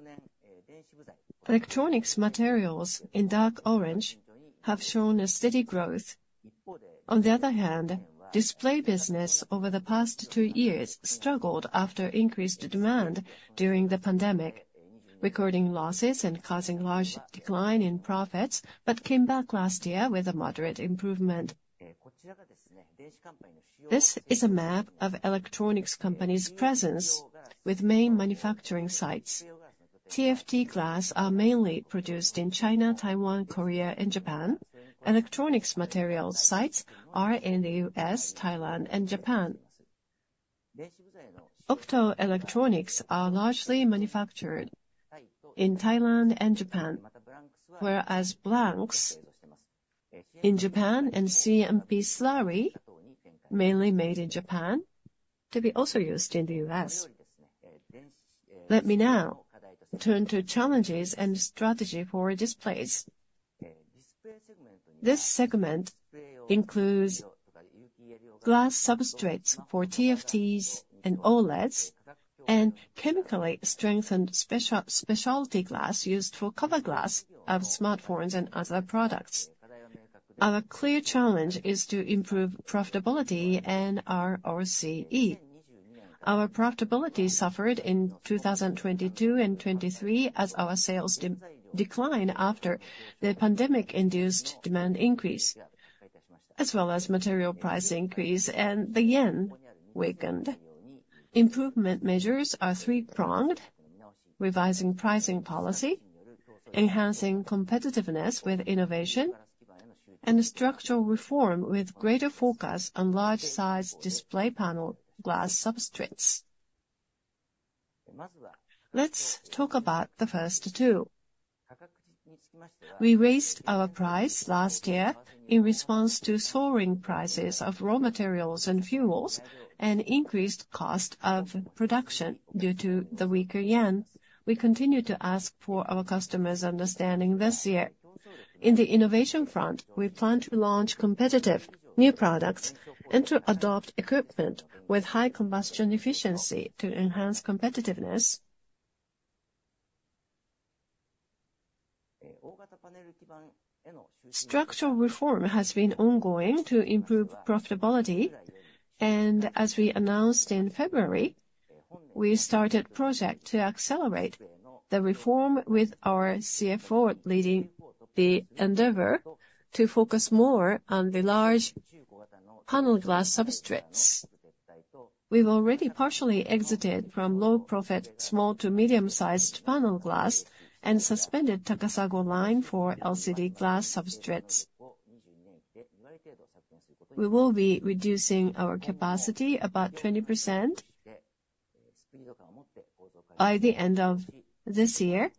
Electronic Materials in dark orange have shown a steady growth. On the other hand, Display business over the past two years struggled after increased demand during the pandemic, recording losses and causing large decline in profits, but came back last year with a moderate improvement. This is a map of Electronics Company's presence with main manufacturing sites. TFT glass are mainly produced in China, Taiwan, Korea and Japan. Electronic Materials sites are in the U.S., Thailand and Japan. Optoelectronics are largely manufactured in Thailand and Japan, whereas blanks in Japan and CMP slurry, mainly made in Japan, to be also used in the U.S. Let me now turn to challenges and strategy for Displays. This segment includes glass substrates for TFTs and OLEDs, and chemically strengthened specialty glass used for cover glass of smartphones and other products. Our clear challenge is to improve profitability and our ROCE. Our profitability suffered in 2022 and 2023 as our sales declined after the pandemic-induced demand increase, as well as material price increase, and the yen weakened. Improvement measures are three-pronged: revising pricing policy, enhancing competitiveness with innovation, and structural reform with greater focus on large-sized Display panel glass substrates. Let's talk about the first two. We raised our price last year in response to soaring prices of raw materials and fuels, and increased cost of production due to the weaker yen. We continue to ask for our customers' understanding this year. In the innovation front, we plan to launch competitive new products and to adopt equipment with high combustion efficiency to enhance competitiveness. Structural reform has been ongoing to improve profitability, and as we announced in February, we started project to accelerate the reform with our CFO leading the endeavor to focus more on the large panel glass substrates. We've already partially exited from low-profit, small to medium-sized panel glass and suspended Takasago line for LCD glass substrates. We will be reducing our capacity about 20% by the end of this year.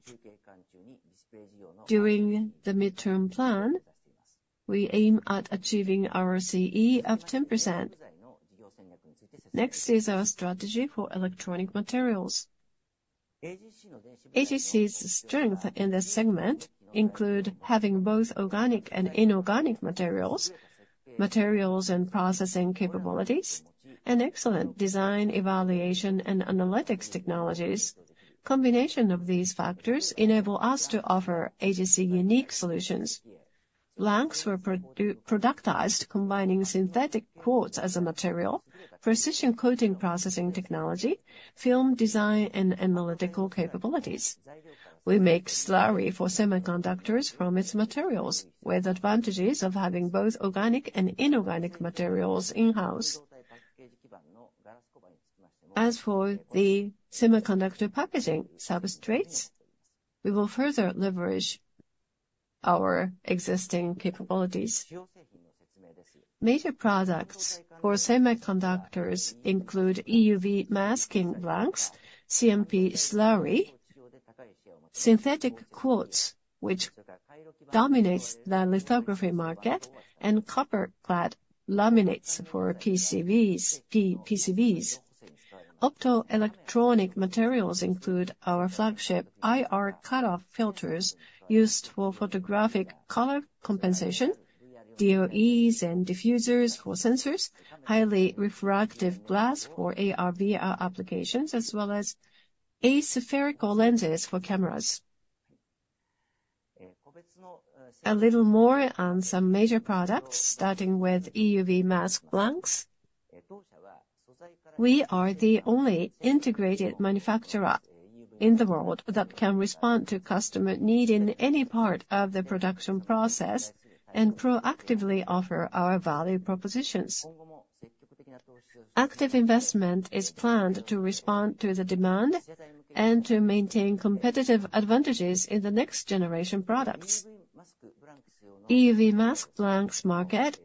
During the midterm plan, we aim at achieving ROCE of 10%. Next is our strategy for Electronic Materials. AGC's strength in this segment include having both organic and inorganic materials and processing capabilities, and excellent design, evaluation, and analytics technologies. Combination of these factors enable us to offer AGC unique solutions. Blanks were productized, combining synthetic quartz as a material, precision coating processing technology, film design, and analytical capabilities. We make slurry for semiconductors from its materials, with advantages of having both organic and inorganic materials in-house. As for the semiconductor packaging substrates, we will further leverage our existing capabilities. Major products for semiconductors include EUV mask blanks, CMP slurry, synthetic quartz, which dominates the lithography market, and copper clad laminates for PCBs. Optoelectronic Materials include our flagship IR cutoff filters used for photographic color compensation, DOEs and diffusers for sensors, highly refractive glass for AR/VR applications, as well as aspherical lenses for cameras. A little more on some major products, starting with EUV mask blanks. We are the only integrated manufacturer in the world that can respond to customer need in any part of the production process, and proactively offer our value propositions. Active investment is planned to respond to the demand and to maintain competitive advantages in the next generation products. EUV mask blanks market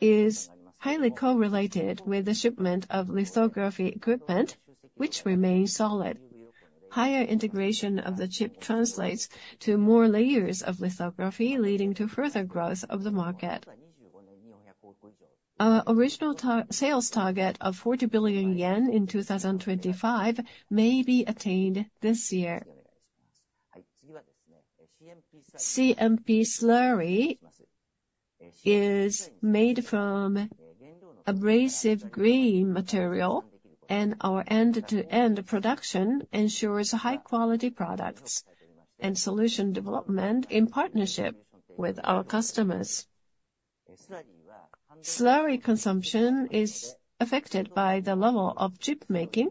is highly correlated with the shipment of lithography equipment, which remains solid. Higher integration of the chip translates to more layers of lithography, leading to further growth of the market. Our original sales target of 40 billion yen in 2025 may be attained this year. CMP slurry is made from abrasive grain material, and our end-to-end production ensures high quality products and solution development in partnership with our customers. Slurry consumption is affected by the level of chip making,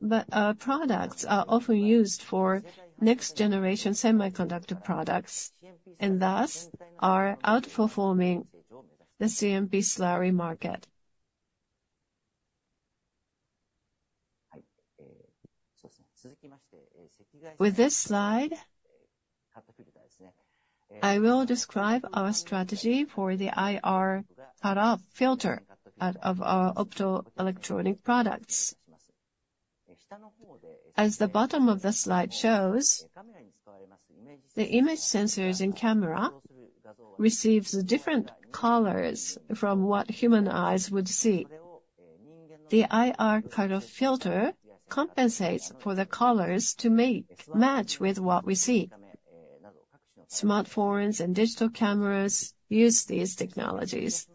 but our products are often used for next generation semiconductor products, and thus are outperforming the CMP slurry market. With this slide, I will describe our strategy for the IR cutoff filter out of our optoelectronic products. As the bottom of the slide shows, the image sensors in camera receives different colors from what human eyes would see. The IR cutoff filter compensates for the colors to make match with what we see. Smartphones and digital cameras use these technologies.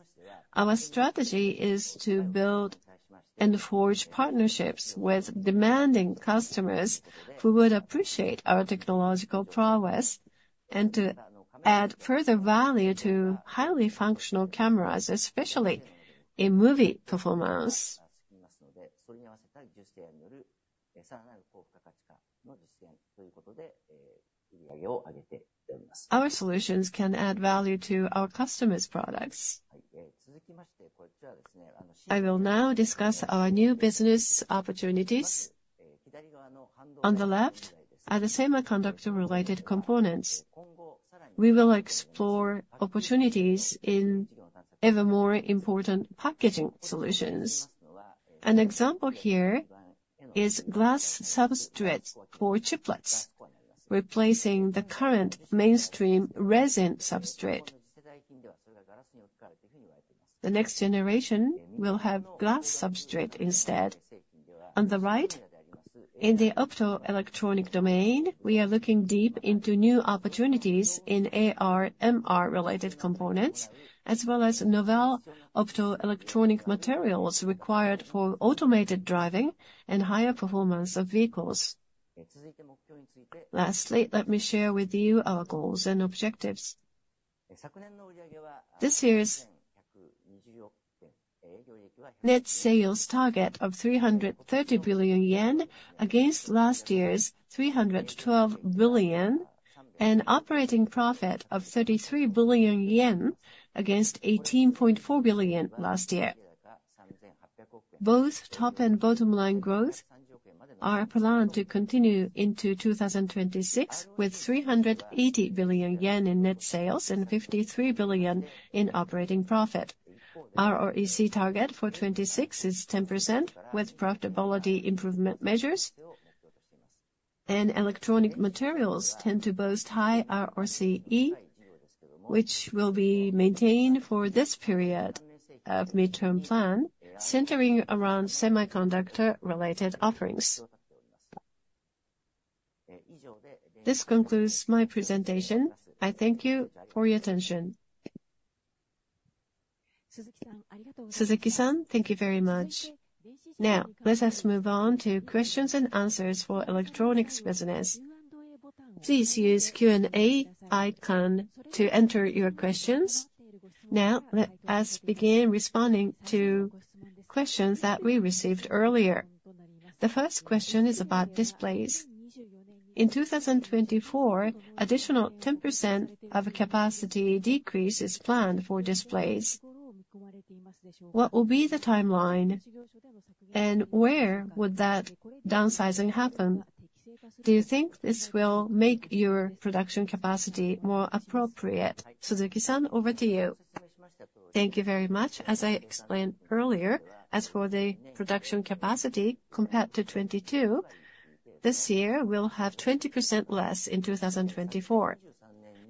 Our strategy is to build and forge partnerships with demanding customers, who would appreciate our technological progress, and to add further value to highly functional cameras, especially in movie performance. Our solutions can add value to our customers' products. I will now discuss our new business opportunities. On the left, are the semiconductor-related components. We will explore opportunities in ever more important packaging solutions. An example here is glass substrates for chiplets, replacing the current mainstream resin substrate. The next generation will have glass substrate instead. On the right, in the optoelectronic domain, we are looking deep into new opportunities in AR/MR-related components, as well as novel optoelectronic materials required for automated driving and higher performance of vehicles. Lastly, let me share with you our goals and objectives. This year's net sales target of 330 billion yen, against last year's 312 billion, and operating profit of 33 billion yen, against 18.4 billion last year. Both top and bottom line growth are planned to continue into 2026, with 380 billion yen in net sales and 53 billion in operating profit. Our ROCE target for 2026 is 10%, with profitability improvement measures, and Electronic Materials tend to boast high ROCE, which will be maintained for this period of midterm plan, centering around semiconductor-related offerings. This concludes my presentation. I thank you for your attention. ... Suzuki-san, thank you very much. Now, let us move on to questions and answers for Electronics business. Please use Q&A icon to enter your questions. Now, let us begin responding to questions that we received earlier. The first question is about Displays. In 2024, additional 10% of capacity decrease is planned for Displays. What will be the timeline, and where would that downsizing happen? Do you think this will make your production capacity more appropriate? Suzuki-san, over to you. Thank you very much. As I explained earlier, as for the production capacity compared to 2022, this year, we'll have 20% less in 2024.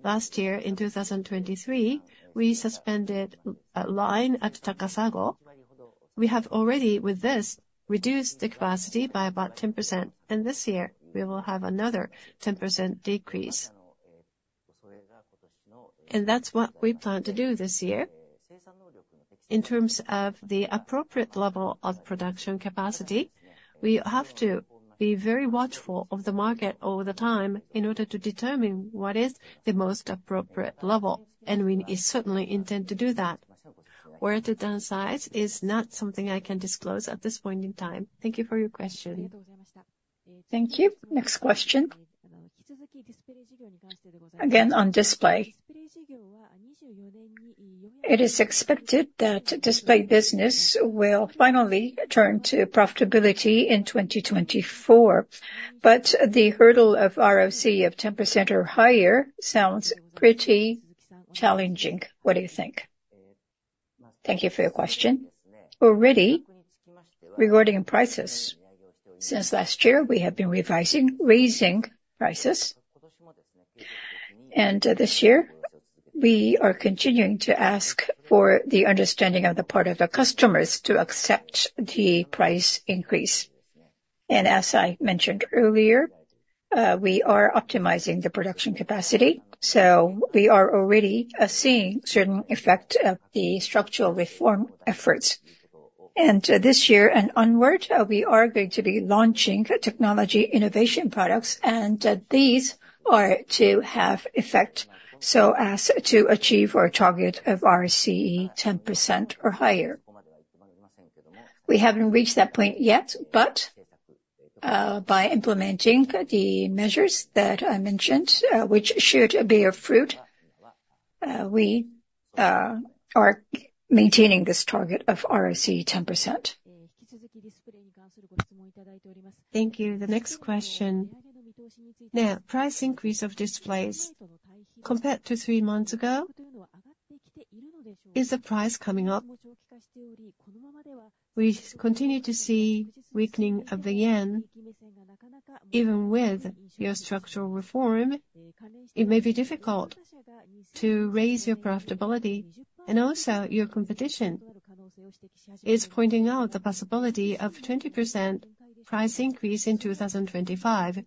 Last year, in 2023, we suspended a line at Takasago. We have already, with this, reduced the capacity by about 10%, and this year, we will have another 10% decrease. That's what we plan to do this year. In terms of the appropriate level of production capacity, we have to be very watchful of the market all the time in order to determine what is the most appropriate level, and we certainly intend to do that. Where to downsize is not something I can disclose at this point in time. Thank you for your question. Thank you. Next question. Again, on Display. It is expected that Display business will finally turn to profitability in 2024, but the hurdle of ROCE of 10% or higher sounds pretty challenging. What do you think? Thank you for your question. Already, regarding prices, since last year, we have been revising, raising prices. This year, we are continuing to ask for the understanding on the part of the customers to accept the price increase. And as I mentioned earlier, we are optimizing the production capacity, so we are already seeing certain effect of the structural reform efforts. And this year and onward, we are going to be launching technology innovation products, and these are to have effect so as to achieve our target of ROCE 10% or higher. We haven't reached that point yet, but, by implementing the measures that I mentioned, which should bear fruit, we are maintaining this target of ROCE 10%. Thank you. The next question. Now, price increase of Displays. Compared to three months ago, is the price coming up? We continue to see weakening of the yen. Even with your structural reform, it may be difficult to raise your profitability, and also, your competition is pointing out the possibility of 20% price increase in 2025.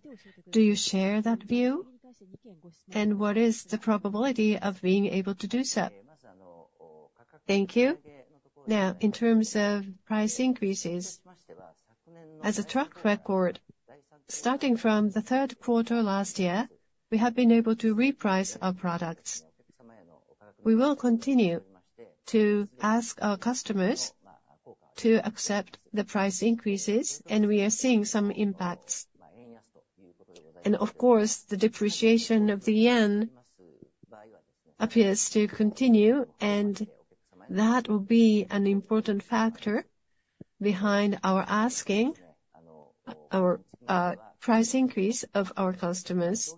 Do you share that view? And what is the probability of being able to do so? Thank you. Now, in terms of price increases, as a track record, starting from the third quarter last year, we have been able to reprice our products. We will continue to ask our customers to accept the price increases, and we are seeing some impacts. And of course, the depreciation of the yen appears to continue, and that will be an important factor behind our asking our price increase of our customers.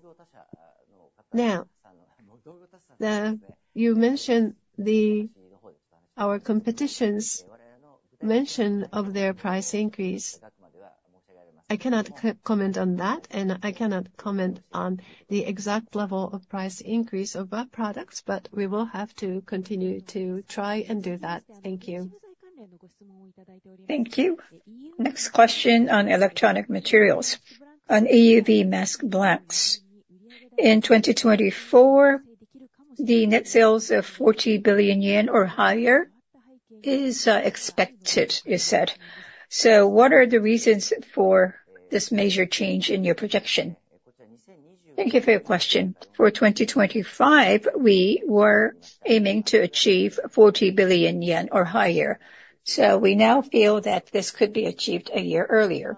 Now, you mentioned our competition's mention of their price increase. I cannot comment on that, and I cannot comment on the exact level of price increase of our products, but we will have to continue to try and do that. Thank you. Thank you. Next question on Electronic Materials, on EUV mask blanks. In 2024, the net sales of 40 billion yen or higher is expected, you said. So what are the reasons for this major change in your projection? Thank you for your question. For 2025, we were aiming to achieve 40 billion yen or higher. So we now feel that this could be achieved a year earlier.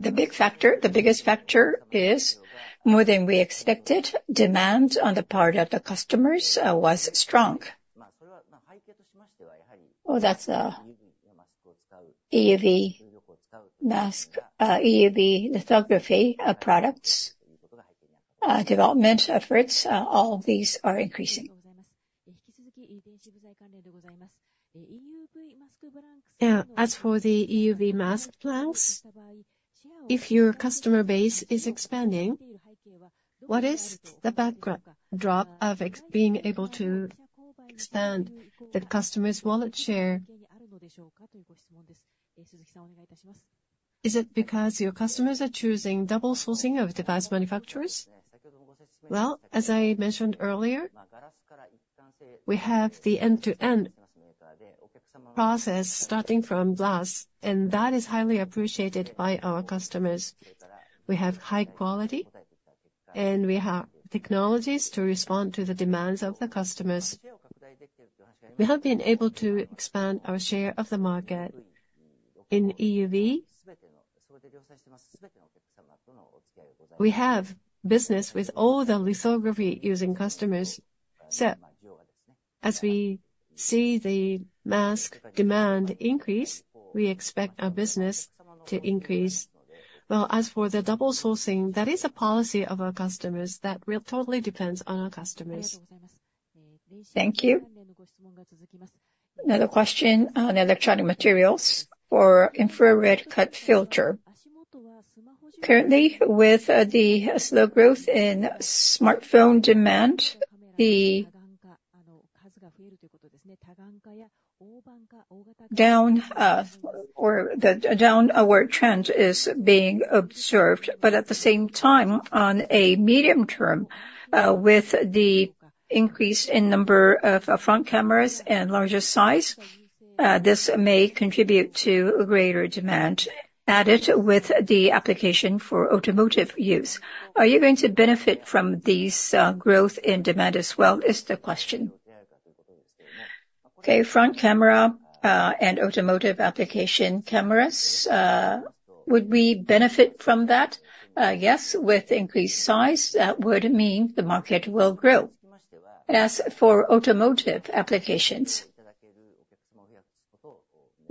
The big factor, the biggest factor is more than we expected, demand on the part of the customers, was strong. Well, that's EUV mask, EUV lithography of products, development efforts, all of these are increasing. Yeah, as for the EUV mask blanks, if your customer base is expanding, what is the background for being able to expand the customer's wallet share? Is it because your customers are choosing double sourcing of device manufacturers?... Well, as I mentioned earlier, we have the end-to-end process starting from glass, and that is highly appreciated by our customers. We have high quality, and we have technologies to respond to the demands of the customers. We have been able to expand our share of the market. In EUV, we have business with all the lithography using customers. So as we see the mask demand increase, we expect our business to increase. Well, as for the double sourcing, that is a policy of our customers that will totally depends on our customers. Thank you. Another question on Electronic Materials for IR cutoff filter. Currently, with the slow growth in smartphone demand, the down, or the downward trend is being observed. But at the same time, on a medium term, with the increase in number of, front cameras and larger size, this may contribute to greater demand, added with the application for automotive use. Are you going to benefit from these growth in demand as well, is the question? Okay, front camera, and automotive application cameras, would we benefit from that? Yes, with increased size, that would mean the market will grow. As for automotive applications,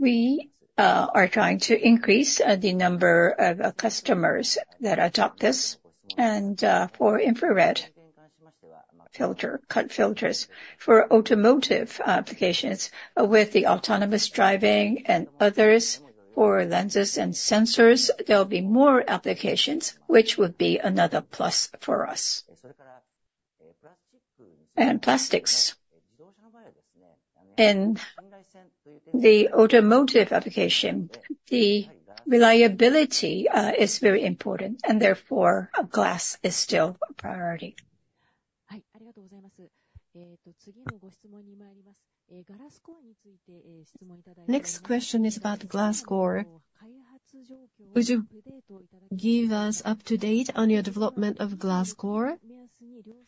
we are trying to increase the number of customers that adopt this. And, for infrared cut filters for automotive applications, with the autonomous driving and others, for lenses and sensors, there will be more applications, which would be another plus for us. And plastics. In the automotive application, the reliability is very important, and therefore, glass is still a priority. Next question is about Glass Core. Would you give us up to date on your development of Glass Core?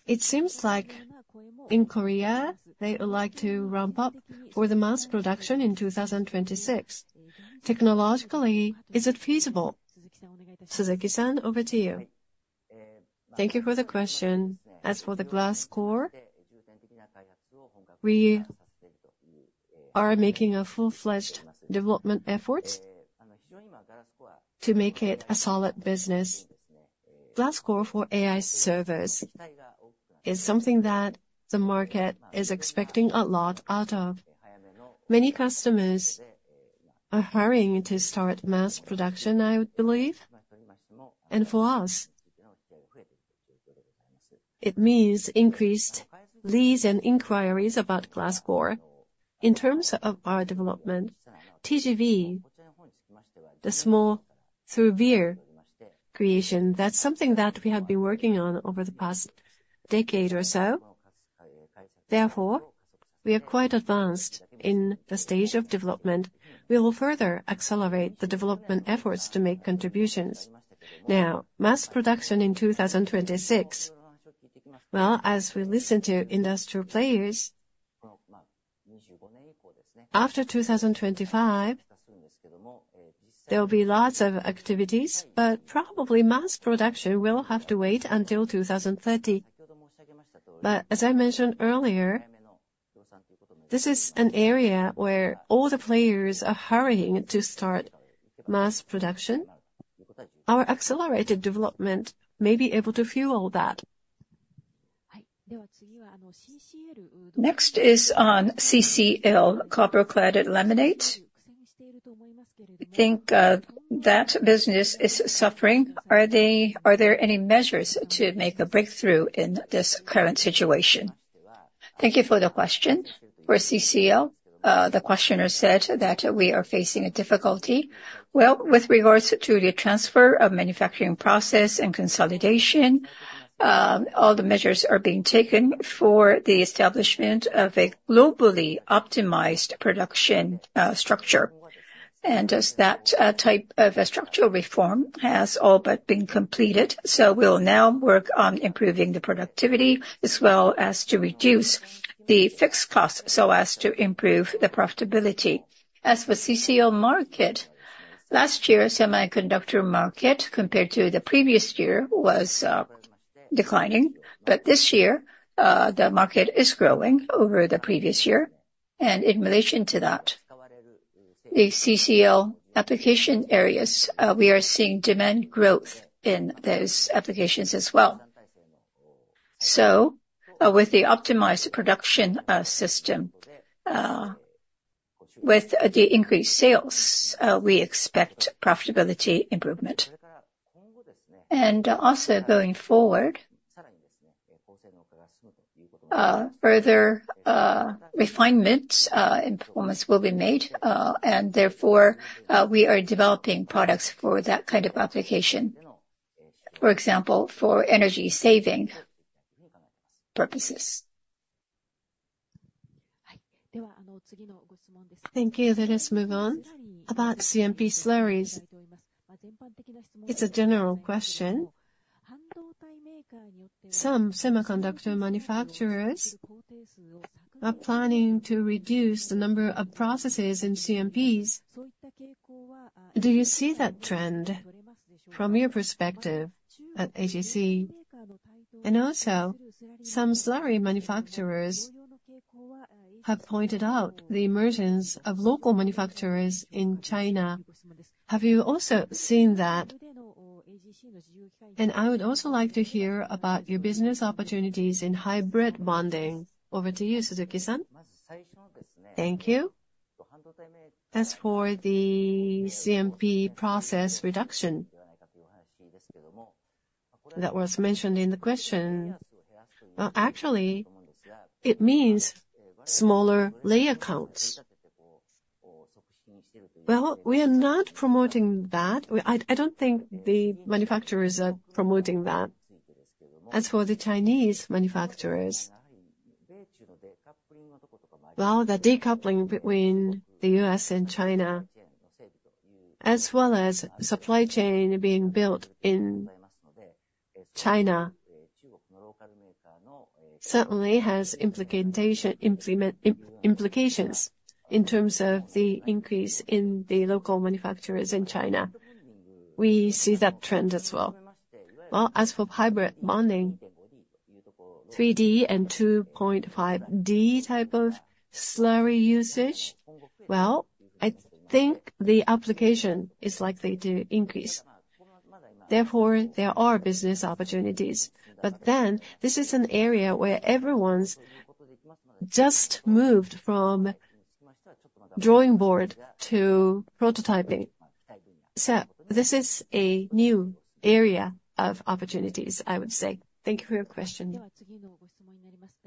It seems like in Korea, they would like to ramp up for the mass production in 2026. Technologically, is it feasible? Suzuki-san, over to you. Thank you for the question. As for the Glass Core, we are making a full-fledged development effort to make it a solid business. Glass Core for AI servers is something that the market is expecting a lot out of. Many customers are hurrying to start mass production, I would believe. And for us, it means increased leads and inquiries about Glass Core. In terms of our development, TGV, the small through via creation, that's something that we have been working on over the past decade or so. Therefore, we are quite advanced in the stage of development. We will further accelerate the development efforts to make contributions. Now, mass production in 2026. Well, as we listen to industrial players, after 2025, there will be lots of activities, but probably mass production will have to wait until 2030. But as I mentioned earlier, this is an area where all the players are hurrying to start mass production. Our accelerated development may be able to fuel that. Next is on CCL, copper clad laminate. We think that business is suffering. Are there any measures to make a breakthrough in this current situation? Thank you for the question. For CCL, the questioner said that we are facing a difficulty. Well, with regards to the transfer of manufacturing process and consolidation, all the measures are being taken for the establishment of a globally optimized production structure. And as that type of a structural reform has all but been completed, so we'll now work on improving the productivity, as well as to reduce the fixed costs, so as to improve the profitability. As for CCL market, last year, semiconductor market, compared to the previous year, was declining, but this year, the market is growing over the previous year. And in relation to that, the CCL application areas, we are seeing demand growth in those applications as well. So with the optimized production, system, with the increased sales, we expect profitability improvement. And also going forward, further, refinement, in performance will be made, and therefore, we are developing products for that kind of application, for example, for energy saving purposes. Thank you. Let us move on. About CMP slurries, it's a general question. Some semiconductor manufacturers are planning to reduce the number of processes in CMPs. Do you see that trend from your perspective at AGC? And also, some slurry manufacturers have pointed out the emergence of local manufacturers in China. Have you also seen that? And I would also like to hear about your business opportunities in hybrid bonding. Over to you, Suzuki-san. Thank you. As for the CMP process reduction that was mentioned in the question, actually, it means smaller layer counts. Well, we are not promoting that. I don't think the manufacturers are promoting that. As for the Chinese manufacturers... Well, the decoupling between the U.S. and China, as well as supply chain being built in China, certainly has implications in terms of the increase in the local manufacturers in China. We see that trend as well. Well, as for hybrid bonding, 3D and 2.5D type of slurry usage, well, I think the application is likely to increase. Therefore, there are business opportunities. But then, this is an area where everyone's just moved from drawing board to prototyping. So this is a new area of opportunities, I would say. Thank you for your question.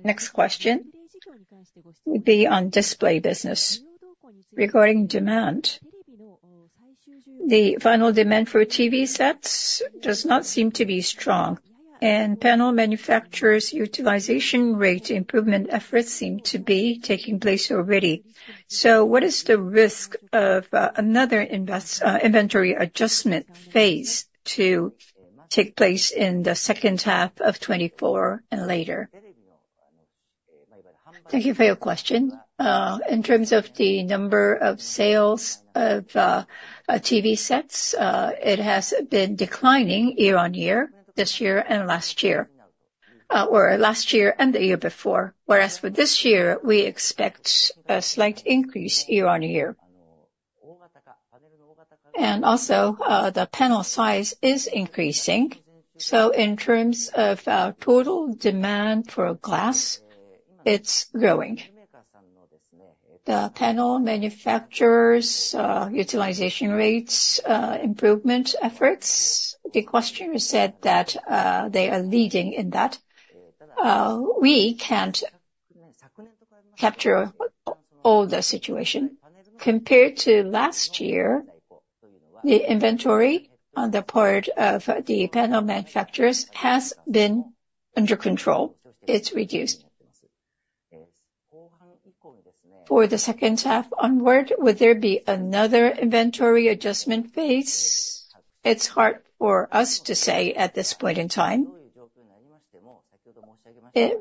Next question will be on Display business. Regarding demand, the final demand for TV sets does not seem to be strong, and panel manufacturers' utilization rate improvement efforts seem to be taking place already. So what is the risk of another inventory adjustment phase to take place in the second half of 2024 and later? Thank you for your question. In terms of the number of sales of TV sets, it has been declining year-on-year, this year and last year, or last year and the year before. Whereas for this year, we expect a slight increase year-on-year. And also, the panel size is increasing, so in terms of total demand for glass, it's growing. The panel manufacturers' utilization rates improvement efforts, the questioner said that they are leading in that. We can't capture all the situation. Compared to last year, the inventory on the part of the panel manufacturers has been under control. It's reduced. For the second half onward, would there be another inventory adjustment phase? It's hard for us to say at this point in time.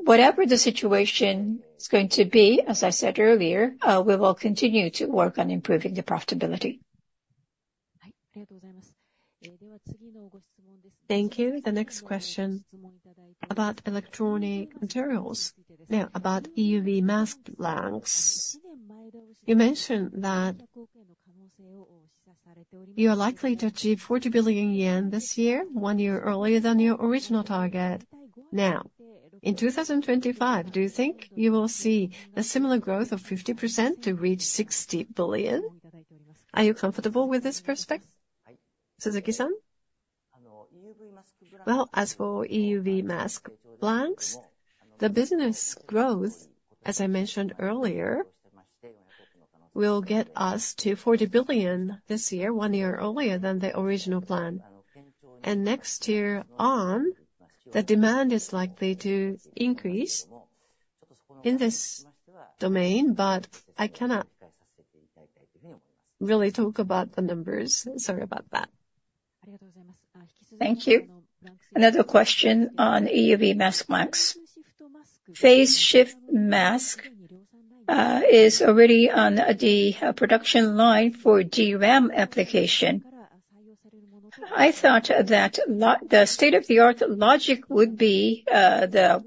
Whatever the situation is going to be, as I said earlier, we will continue to work on improving the profitability. Thank you. The next question about Electronic Materials. Now, about EUV mask blanks. You mentioned that you are likely to achieve 40 billion yen this year, one year earlier than your original target. Now, in 2025, do you think you will see a similar growth of 50% to reach 60 billion? Are you comfortable with this prospect? Suzuki-san? Well, as for EUV mask blanks, the business growth, as I mentioned earlier, will get us to 40 billion this year, one year earlier than the original plan. Next year on, the demand is likely to increase in this domain, but I cannot really talk about the numbers. Sorry about that. Thank you. Another question on EUV mask blanks. Phase shift mask is already on the production line for DRAM application. I thought that the state-of-the-art logic would be the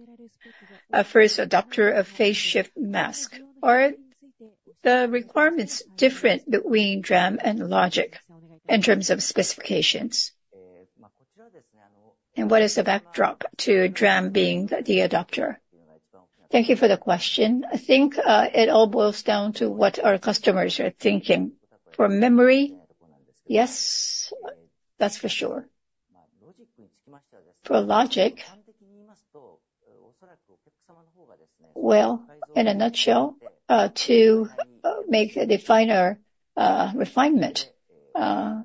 first adopter of phase shift mask. Are the requirements different between DRAM and logic in terms of specifications? And what is the backdrop to DRAM being the adopter? Thank you for the question. I think it all boils down to what our customers are thinking. For memory, yes, that's for sure. For logic... Well, in a nutshell, to make a finer refinement, I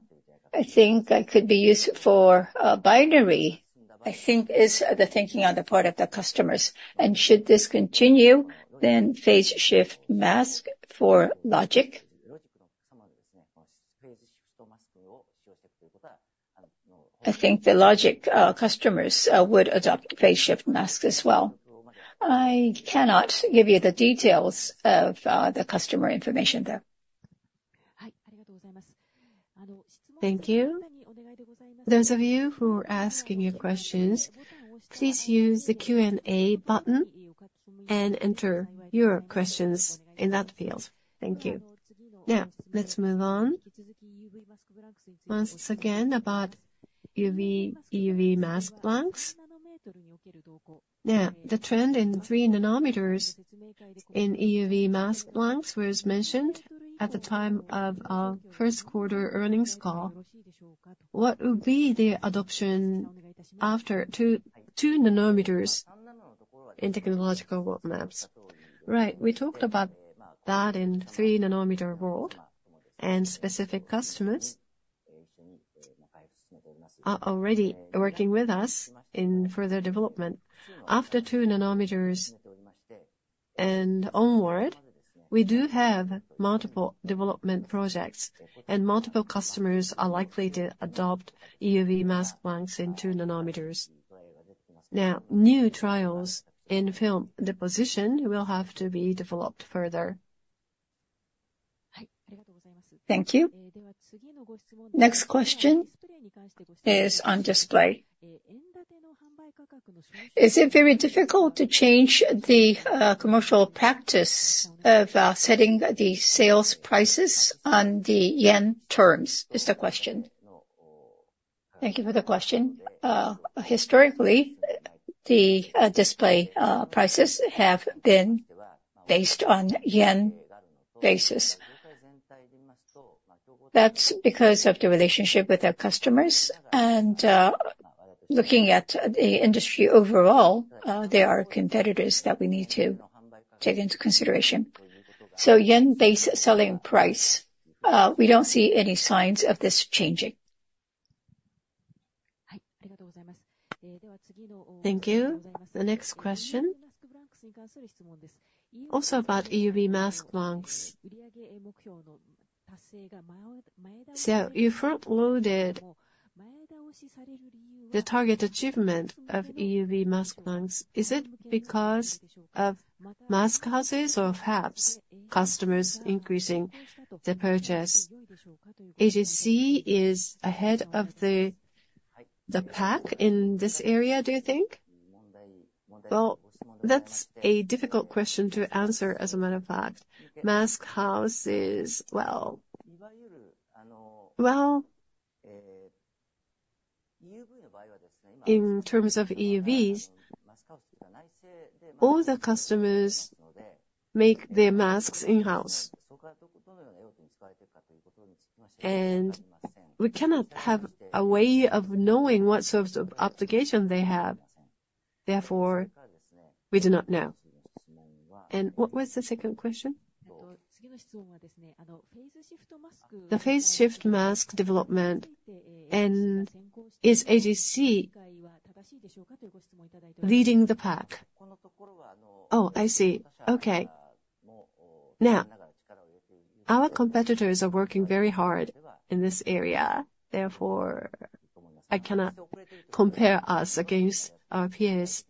think that could be used for binary, I think is the thinking on the part of the customers. And should this continue, then phase shift mask for logic? I think the logic customers would adopt phase shift mask as well. I cannot give you the details of the customer information, though. Thank you. Those of you who are asking your questions, please use the Q&A button and enter your questions in that field. Thank you. Now, let's move on. Once again, about EUV mask blanks. Now, the trend in 3 nm in EUV mask blanks was mentioned at the time of our first quarter earnings call. What will be the adoption after 2 nm in technological roadmaps? Right, we talked about that in 3 nm world, and specific customers are already working with us in further development. After 2 nm and onward, we do have multiple development projects, and multiple customers are likely to adopt EUV mask blanks in 2 nm. Now, new trials in film deposition will have to be developed further. Thank you. Next question is on Display. Is it very difficult to change the commercial practice of setting the sales prices on the yen terms? Is the question. Thank you for the question. Historically, the Display prices have been based on yen basis. That's because of the relationship with our customers, and looking at the industry overall, there are competitors that we need to take into consideration. So yen-based selling price, we don't see any signs of this changing. Thank you. The next question, also about EUV mask blanks. So you front-loaded the target achievement of EUV mask blanks. Is it because of mask houses or fabs customers increasing the purchase? AGC is ahead of the pack in this area, do you think? Well, that's a difficult question to answer, as a matter of fact. Mask house is, well... Well, in terms of EUVs, all the customers make their masks in-house. And we cannot have a way of knowing what sorts of application they have, therefore, we do not know. And what was the second question? The phase shift mask development, and is AGC leading the pack? Oh, I see. Okay. Now, our competitors are working very hard in this area, therefore, I cannot compare us against our peers.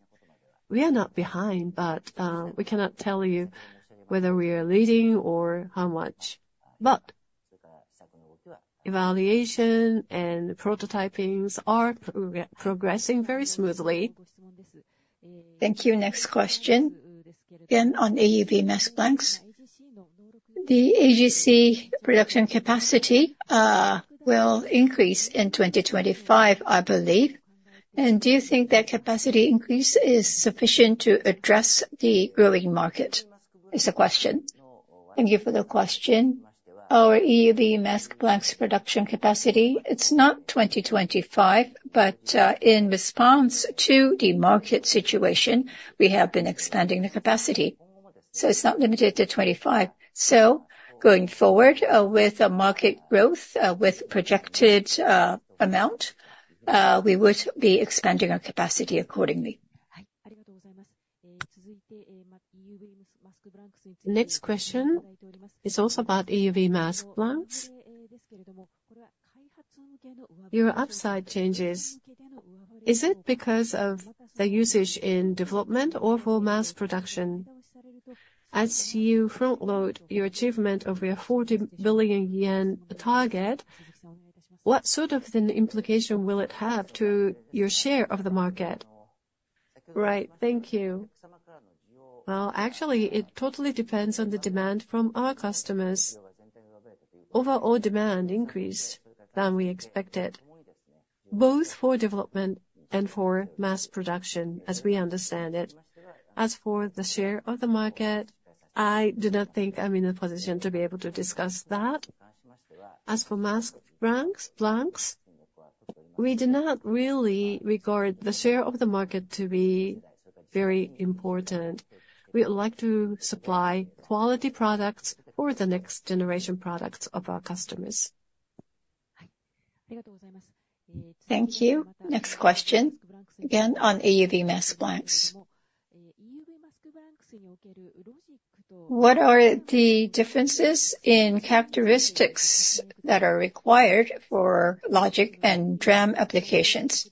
We are not behind, but, we cannot tell you whether we are leading or how much. But evaluation and prototypings are progressing very smoothly. Thank you. Next question, again, on EUV mask blanks. The AGC production capacity will increase in 2025, I believe. And do you think that capacity increase is sufficient to address the growing market? Is the question. Thank you for the question. Our EUV mask blanks production capacity, it's not 2025, but in response to the market situation, we have been expanding the capacity, so it's not limited to 2025. So going forward, with the market growth, with projected amount, we would be expanding our capacity accordingly. Next question is also about EUV mask blanks. Your upside changes. Is it because of the usage in development or for mass production? As you front-load your achievement of your 40 billion yen target, what sort of an implication will it have to your share of the market? Right. Thank you. Well, actually, it totally depends on the demand from our customers. Overall demand increased than we expected, both for development and for mass production, as we understand it. As for the share of the market, I do not think I'm in a position to be able to discuss that. As for mask blanks, we do not really regard the share of the market to be very important. We would like to supply quality products for the next generation products of our customers. Thank you. Next question, again, on EUV mask blanks. What are the differences in characteristics that are required for logic and DRAM applications?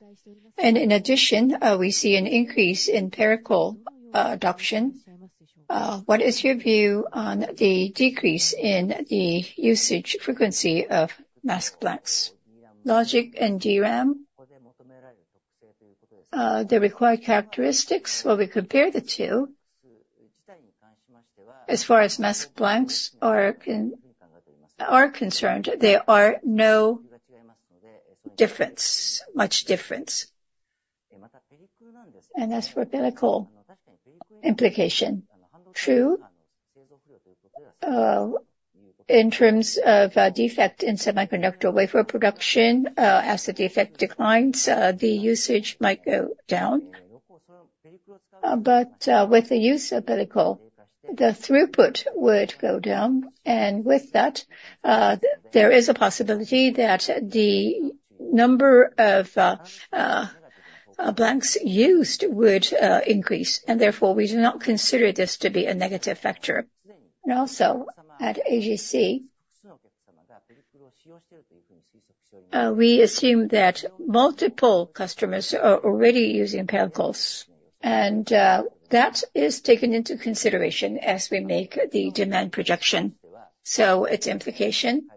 And in addition, we see an increase in pellicle adoption. What is your view on the decrease in the usage frequency of mask blanks? Logic and DRAM, the required characteristics, when we compare the two, as far as mask blanks are concerned, there are no difference, much difference. And as for pellicle implication, true, in terms of, defect in semiconductor wafer production, as the defect declines, the usage might go down. But, with the use of pellicle, the throughput would go down, and with that, there is a possibility that the number of, blanks used would, increase, and therefore, we do not consider this to be a negative factor. And also, at AGC, we assume that multiple customers are already using pellicles, and, that is taken into consideration as we make the demand projection. So its implication,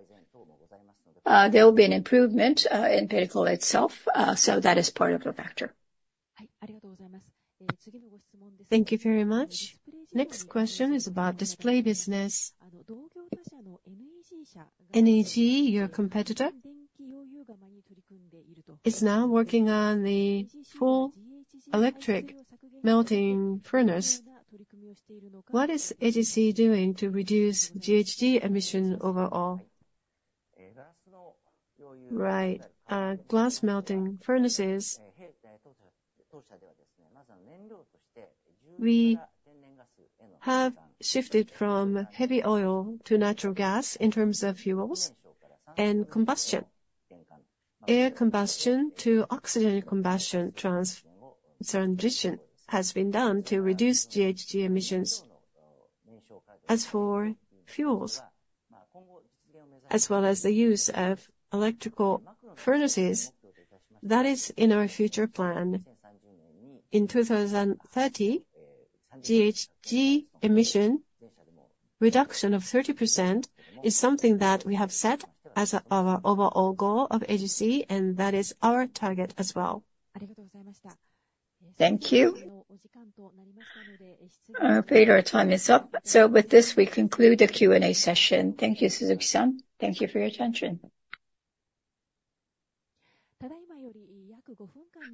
there will be an improvement, in pellicle itself, so that is part of the factor. Thank you very much. Next question is about Display business. NEG, your competitor, is now working on the full electric melting furnace. What is AGC doing to reduce GHG emission overall? Right. Glass melting furnaces. We have shifted from heavy oil to natural gas in terms of fuels and combustion. Air combustion to oxygen combustion transition has been done to reduce GHG emissions. As for fuels, as well as the use of electrical furnaces, that is in our future plan. In 2030, GHG emission reduction of 30% is something that we have set as our overall goal of AGC, and that is our target as well. Thank you. I'm afraid our time is up. So with this, we conclude the Q&A session. Thank you, Suzuki-san. Thank you for your attention.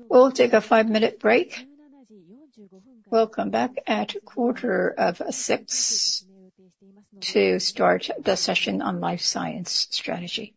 We'll take a five-minute break. We'll come back at 5:45 P.M. to start the session on Life Science strategy.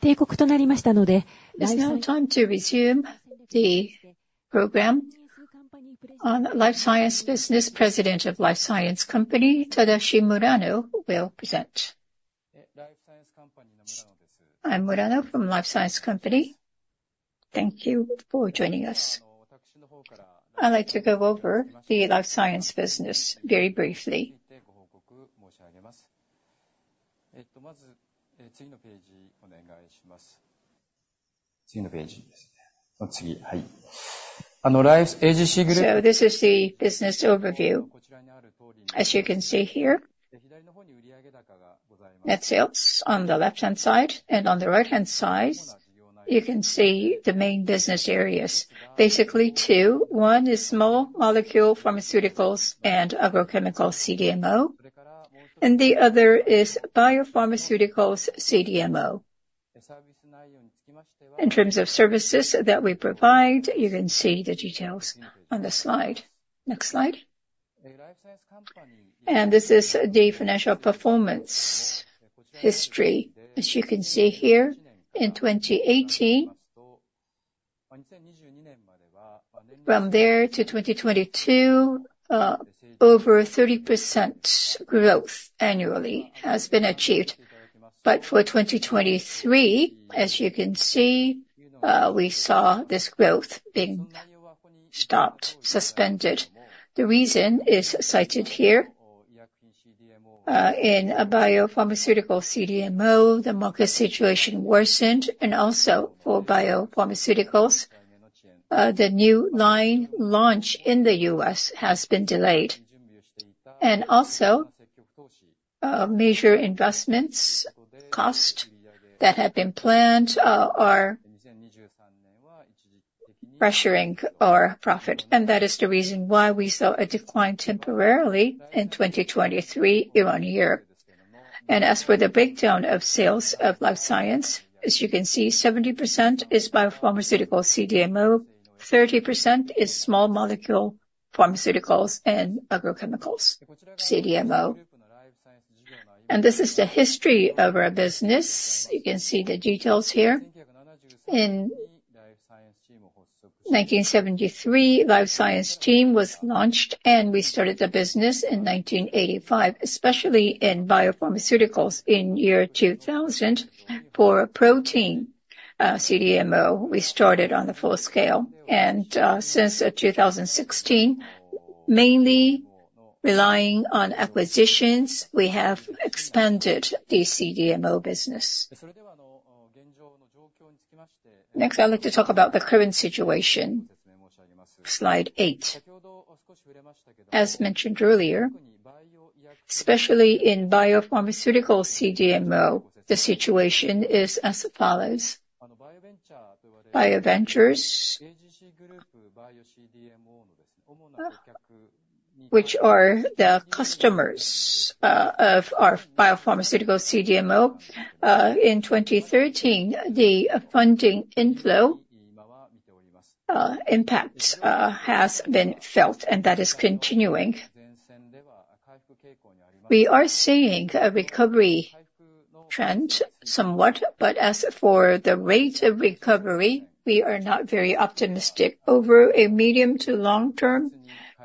It's now time to resume the program on Life Science business. President of Life Science Company, Tadashi Murano, will present. I'm Murano from Life Science Company. Thank you for joining us. I'd like to go over the Life Science business very briefly. So this is the business overview. As you can see here, net sales on the left-hand side, and on the right-hand side, you can see the main business areas. Basically, two. One is small molecule pharmaceuticals and agrochemical CDMO, and the other is biopharmaceuticals CDMO. In terms of services that we provide, you can see the details on the slide. Next slide. This is the financial performance history. As you can see here, in 2018, from there to 2022, over 30% growth annually has been achieved. But for 2023, as you can see, we saw this growth being stopped, suspended. The reason is cited here. In a biopharmaceutical CDMO, the market situation worsened, and also for biopharmaceuticals, the new line launch in the U.S. has been delayed. Also, major investments cost that had been planned are pressuring our profit, and that is the reason why we saw a decline temporarily in 2023 year-on-year. As for the breakdown of sales of Life Science, as you can see, 70% is biopharmaceutical CDMO, 30% is small molecule pharmaceuticals and agrochemicals CDMO. This is the history of our business. You can see the details here. In 1973, Life Science team was launched, and we started the business in 1985, especially in biopharmaceuticals in year 2000. For protein CDMO, we started on the full scale, and since 2016, mainly relying on acquisitions, we have expanded the CDMO business. Next, I'd like to talk about the current situation. Slide eight. As mentioned earlier, especially in biopharmaceutical CDMO, the situation is as follows: bioventures, which are the customers of our biopharmaceutical CDMO, in 2013, the funding inflow impact has been felt, and that is continuing. We are seeing a recovery trend somewhat, but as for the rate of recovery, we are not very optimistic over a medium to long term.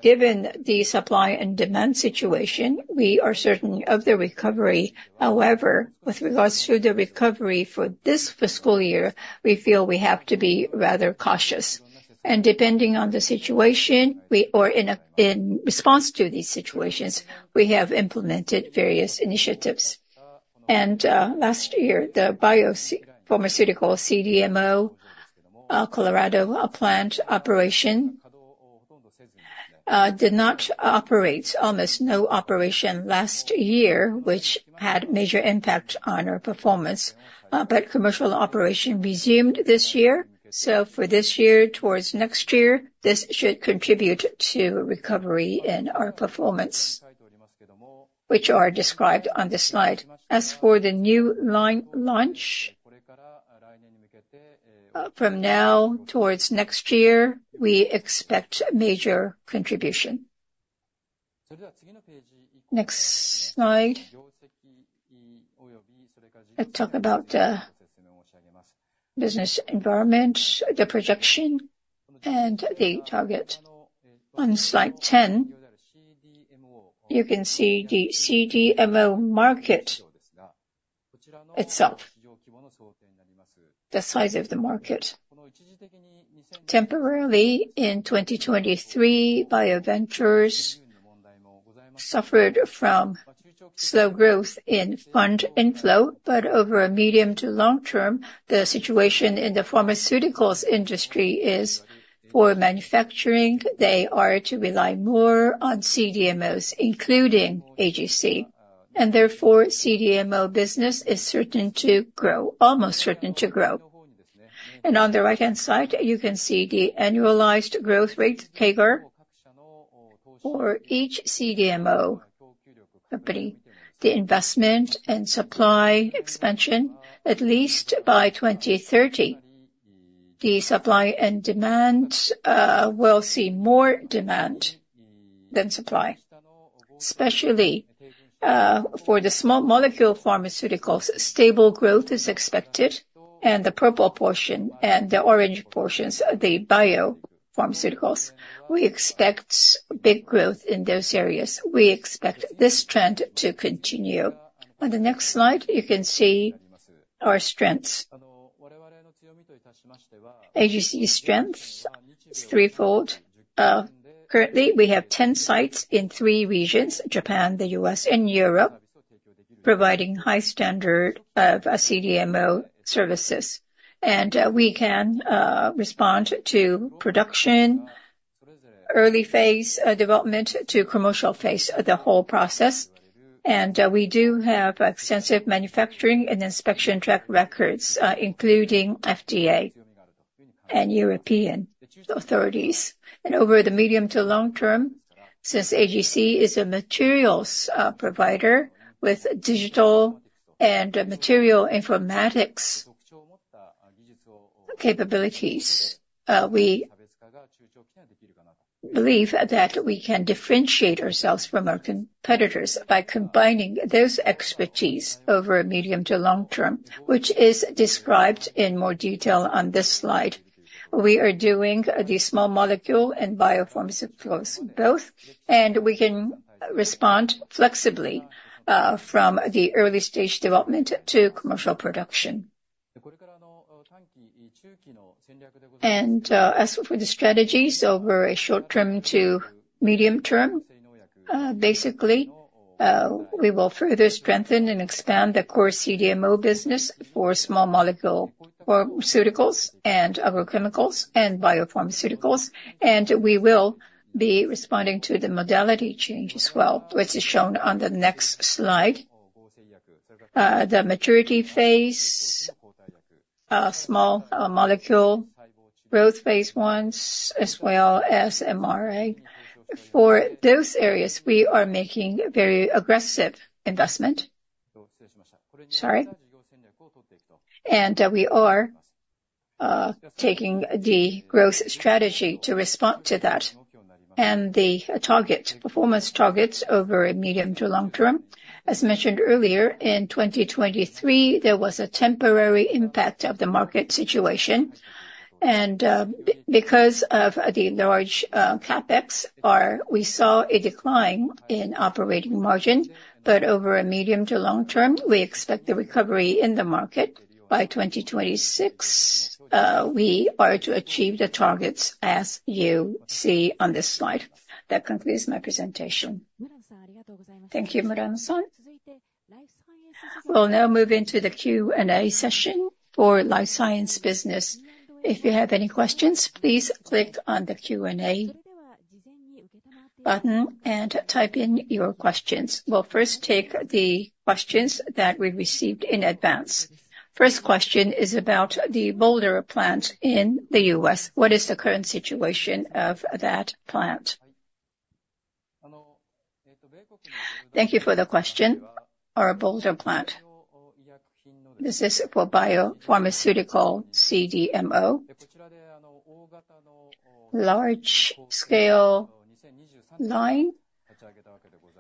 Given the supply and demand situation, we are certain of the recovery. However, with regards to the recovery for this fiscal year, we feel we have to be rather cautious, and depending on the situation, or in response to these situations, we have implemented various initiatives. Last year, the biopharmaceutical CDMO Colorado plant operation did not operate. Almost no operation last year, which had major impact on our performance, but commercial operation resumed this year. So for this year towards next year, this should contribute to recovery in our performance, which are described on this slide. As for the new line launch, from now towards next year, we expect major contribution. Next slide. Let's talk about the business environment, the projection, and the target. On slide 10, you can see the CDMO market itself, the size of the market. Temporarily, in 2023, bioventures suffered from slow growth in fund inflow, but over a medium to long term, the situation in the pharmaceuticals industry is for manufacturing, they are to rely more on CDMOs, including AGC. And therefore, CDMO business is certain to grow, almost certain to grow. On the right-hand side, you can see the annualized growth rate, CAGR, for each CDMO company. The investment and supply expansion, at least by 2030, the supply and demand will see more demand than supply. Especially, for the small molecule pharmaceuticals, stable growth is expected, and the purple portion and the orange portions are the biopharmaceuticals. We expect big growth in those areas. We expect this trend to continue. On the next slide, you can see our strengths. AGC's strength is threefold. Currently, we have 10 sites in three regions, Japan, the U.S., and Europe, providing high standard of CDMO services. We can respond to production, early phase, development to commercial phase, the whole process. We do have extensive manufacturing and inspection track records, including FDA and European authorities. And over the medium to long term, since AGC is a materials provider with digital and material informatics capabilities, we believe that we can differentiate ourselves from our competitors by combining those expertise over a medium to long term, which is described in more detail on this slide. We are doing the small molecule and biopharmaceuticals both, and we can respond flexibly from the early stage development to commercial production. And as for the strategies over a short term to medium term, basically we will further strengthen and expand the core CDMO business for small molecule pharmaceuticals and agrochemicals and biopharmaceuticals, and we will be responding to the modality change as well, which is shown on the next slide. The maturity phase, small molecule, growth phase ones, as well as mRNA. For those areas, we are making very aggressive investment. Sorry. We are taking the growth strategy to respond to that and the target, performance targets over a medium to long term. As mentioned earlier, in 2023, there was a temporary impact of the market situation, and because of the large CapEx, we saw a decline in operating margin, but over a medium to long term, we expect the recovery in the market. By 2026, we are to achieve the targets as you see on this slide. That concludes my presentation. Thank you, Murano-san. We'll now move into the Q&A session for Life Science business. If you have any questions, please click on the Q&A button and type in your questions. We'll first take the questions that we received in advance. First question is about the Boulder plant in the U.S. What is the current situation of that plant? Thank you for the question. Our Boulder plant. This is for biopharmaceutical CDMO. Large scale line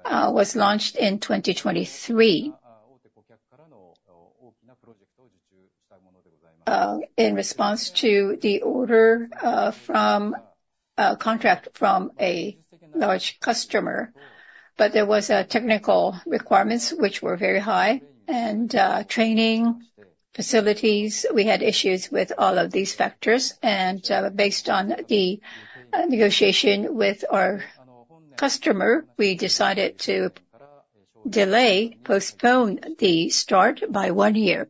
was launched in 2023 in response to the order from a contract from a large customer. But there was technical requirements which were very high, and training facilities, we had issues with all of these factors. And based on the negotiation with our customer, we decided to delay, postpone the start by one year.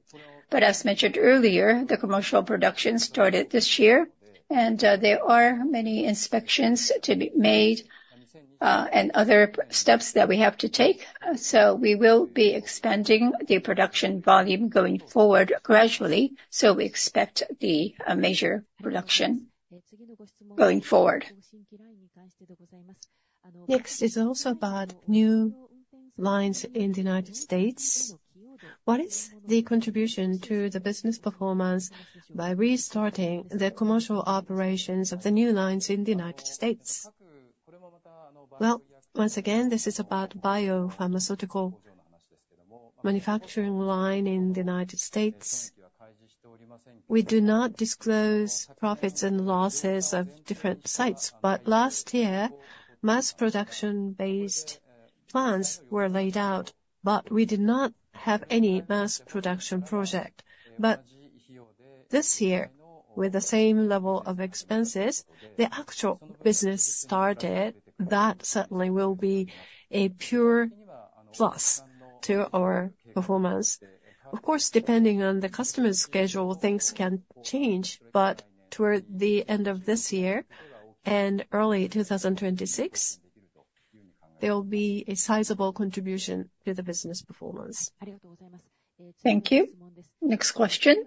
But as mentioned earlier, the commercial production started this year, and there are many inspections to be made and other steps that we have to take. So we will be expanding the production volume going forward gradually, so we expect the major production going forward. Next is also about new lines in the United States. What is the contribution to the business performance by restarting the commercial operations of the new lines in the United States? Well, once again, this is about biopharmaceutical manufacturing line in the United States. We do not disclose profits and losses of different sites, but last year, mass production-based plans were laid out, but we did not have any mass production project. But this year, with the same level of expenses, the actual business started. That certainly will be a pure plus to our performance. Of course, depending on the customer's schedule, things can change, but toward the end of this year and early 2026, there will be a sizable contribution to the business performance. Thank you. Next question: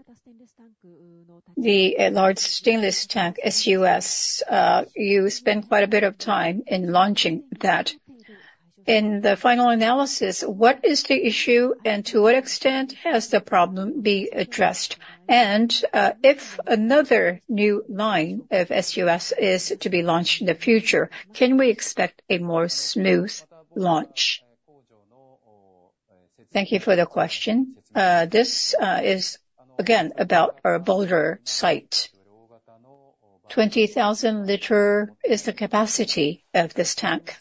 the large stainless tank, SUS. You spent quite a bit of time in launching that. In the final analysis, what is the issue, and to what extent has the problem been addressed? And, if another new line of SUS is to be launched in the future, can we expect a more smooth launch? Thank you for the question. This is again about our Boulder site. 20,000-liter is the capacity of this tank.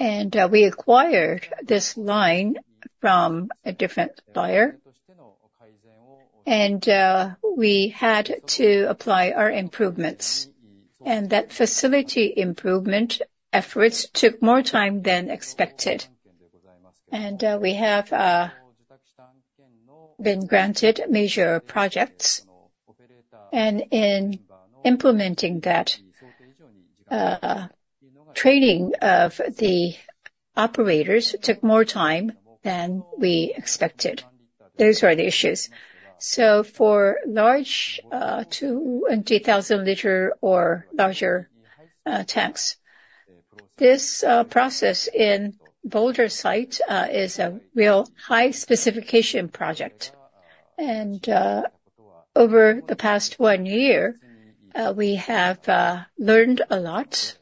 And, we acquired this line from a different buyer, and, we had to apply our improvements, and that facility improvement efforts took more time than expected. And, we have been granted major projects, and in implementing that, training of the operators took more time than we expected. Those were the issues. So for large, 20,000-liter or larger, tanks, this process in Boulder site is a real high specification project. Over the past one year, we have learned a lot,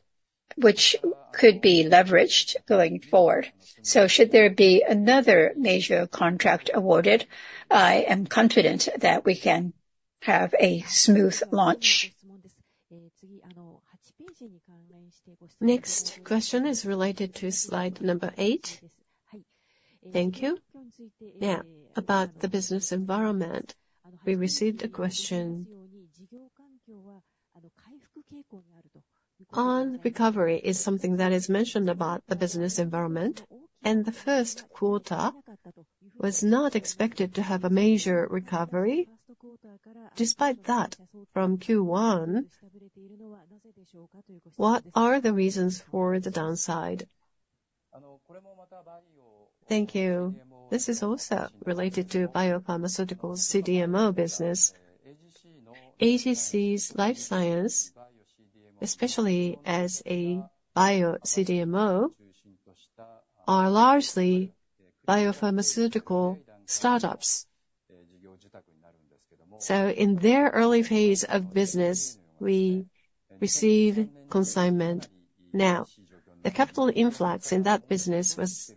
which could be leveraged going forward. So should there be another major contract awarded, I am confident that we can have a smooth launch. Next question is related to slide number eight. Thank you. Now, about the business environment, we received a question. On recovery is something that is mentioned about the business environment, and the first quarter was not expected to have a major recovery. Despite that, from Q1, what are the reasons for the downside? Thank you. This is also related to biopharmaceutical CDMO business. AGC's Life Science, especially as a bio CDMO, are largely biopharmaceutical startups. So in their early phase of business, we receive consignment. Now, the capital influx in that business was,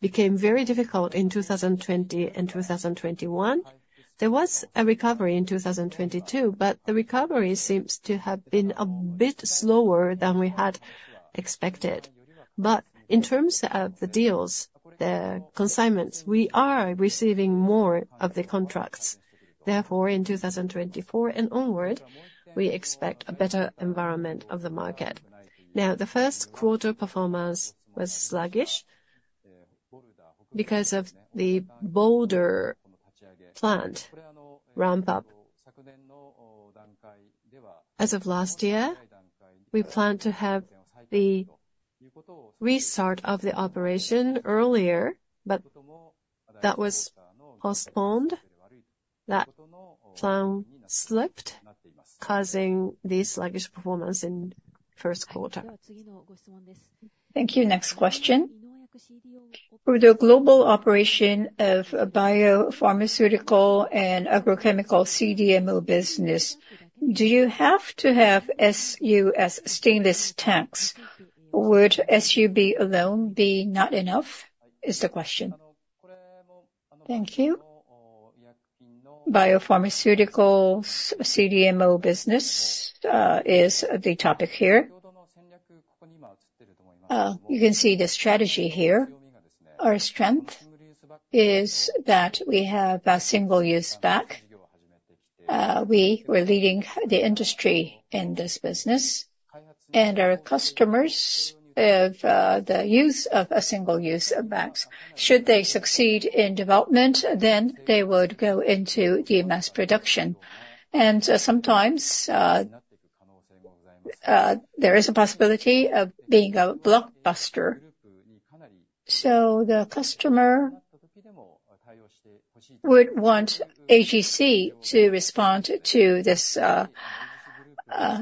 became very difficult in 2020 and 2021. There was a recovery in 2022, but the recovery seems to have been a bit slower than we had expected. But in terms of the deals, the consignments, we are receiving more of the contracts. Therefore, in 2024 and onward, we expect a better environment of the market. Now, the first quarter performance was sluggish because of the Boulder plant ramp up. As of last year, we planned to have the restart of the operation earlier, but that was postponed. That plan slipped, causing this sluggish performance in first quarter. Thank you. Next question. For the global operation of biopharmaceutical and agrochemical CDMO business, do you have to have SUS stainless tanks? Would SUB alone be not enough, is the question. Thank you. Biopharmaceutical CDMO business is the topic here. You can see the strategy here. Our strength is that we have a single-use SUB. We were leading the industry in this business and our customers of the use of a single-use SUBs, should they succeed in development, then they would go into the mass production. And sometimes there is a possibility of being a blockbuster. So the customer would want AGC to respond to this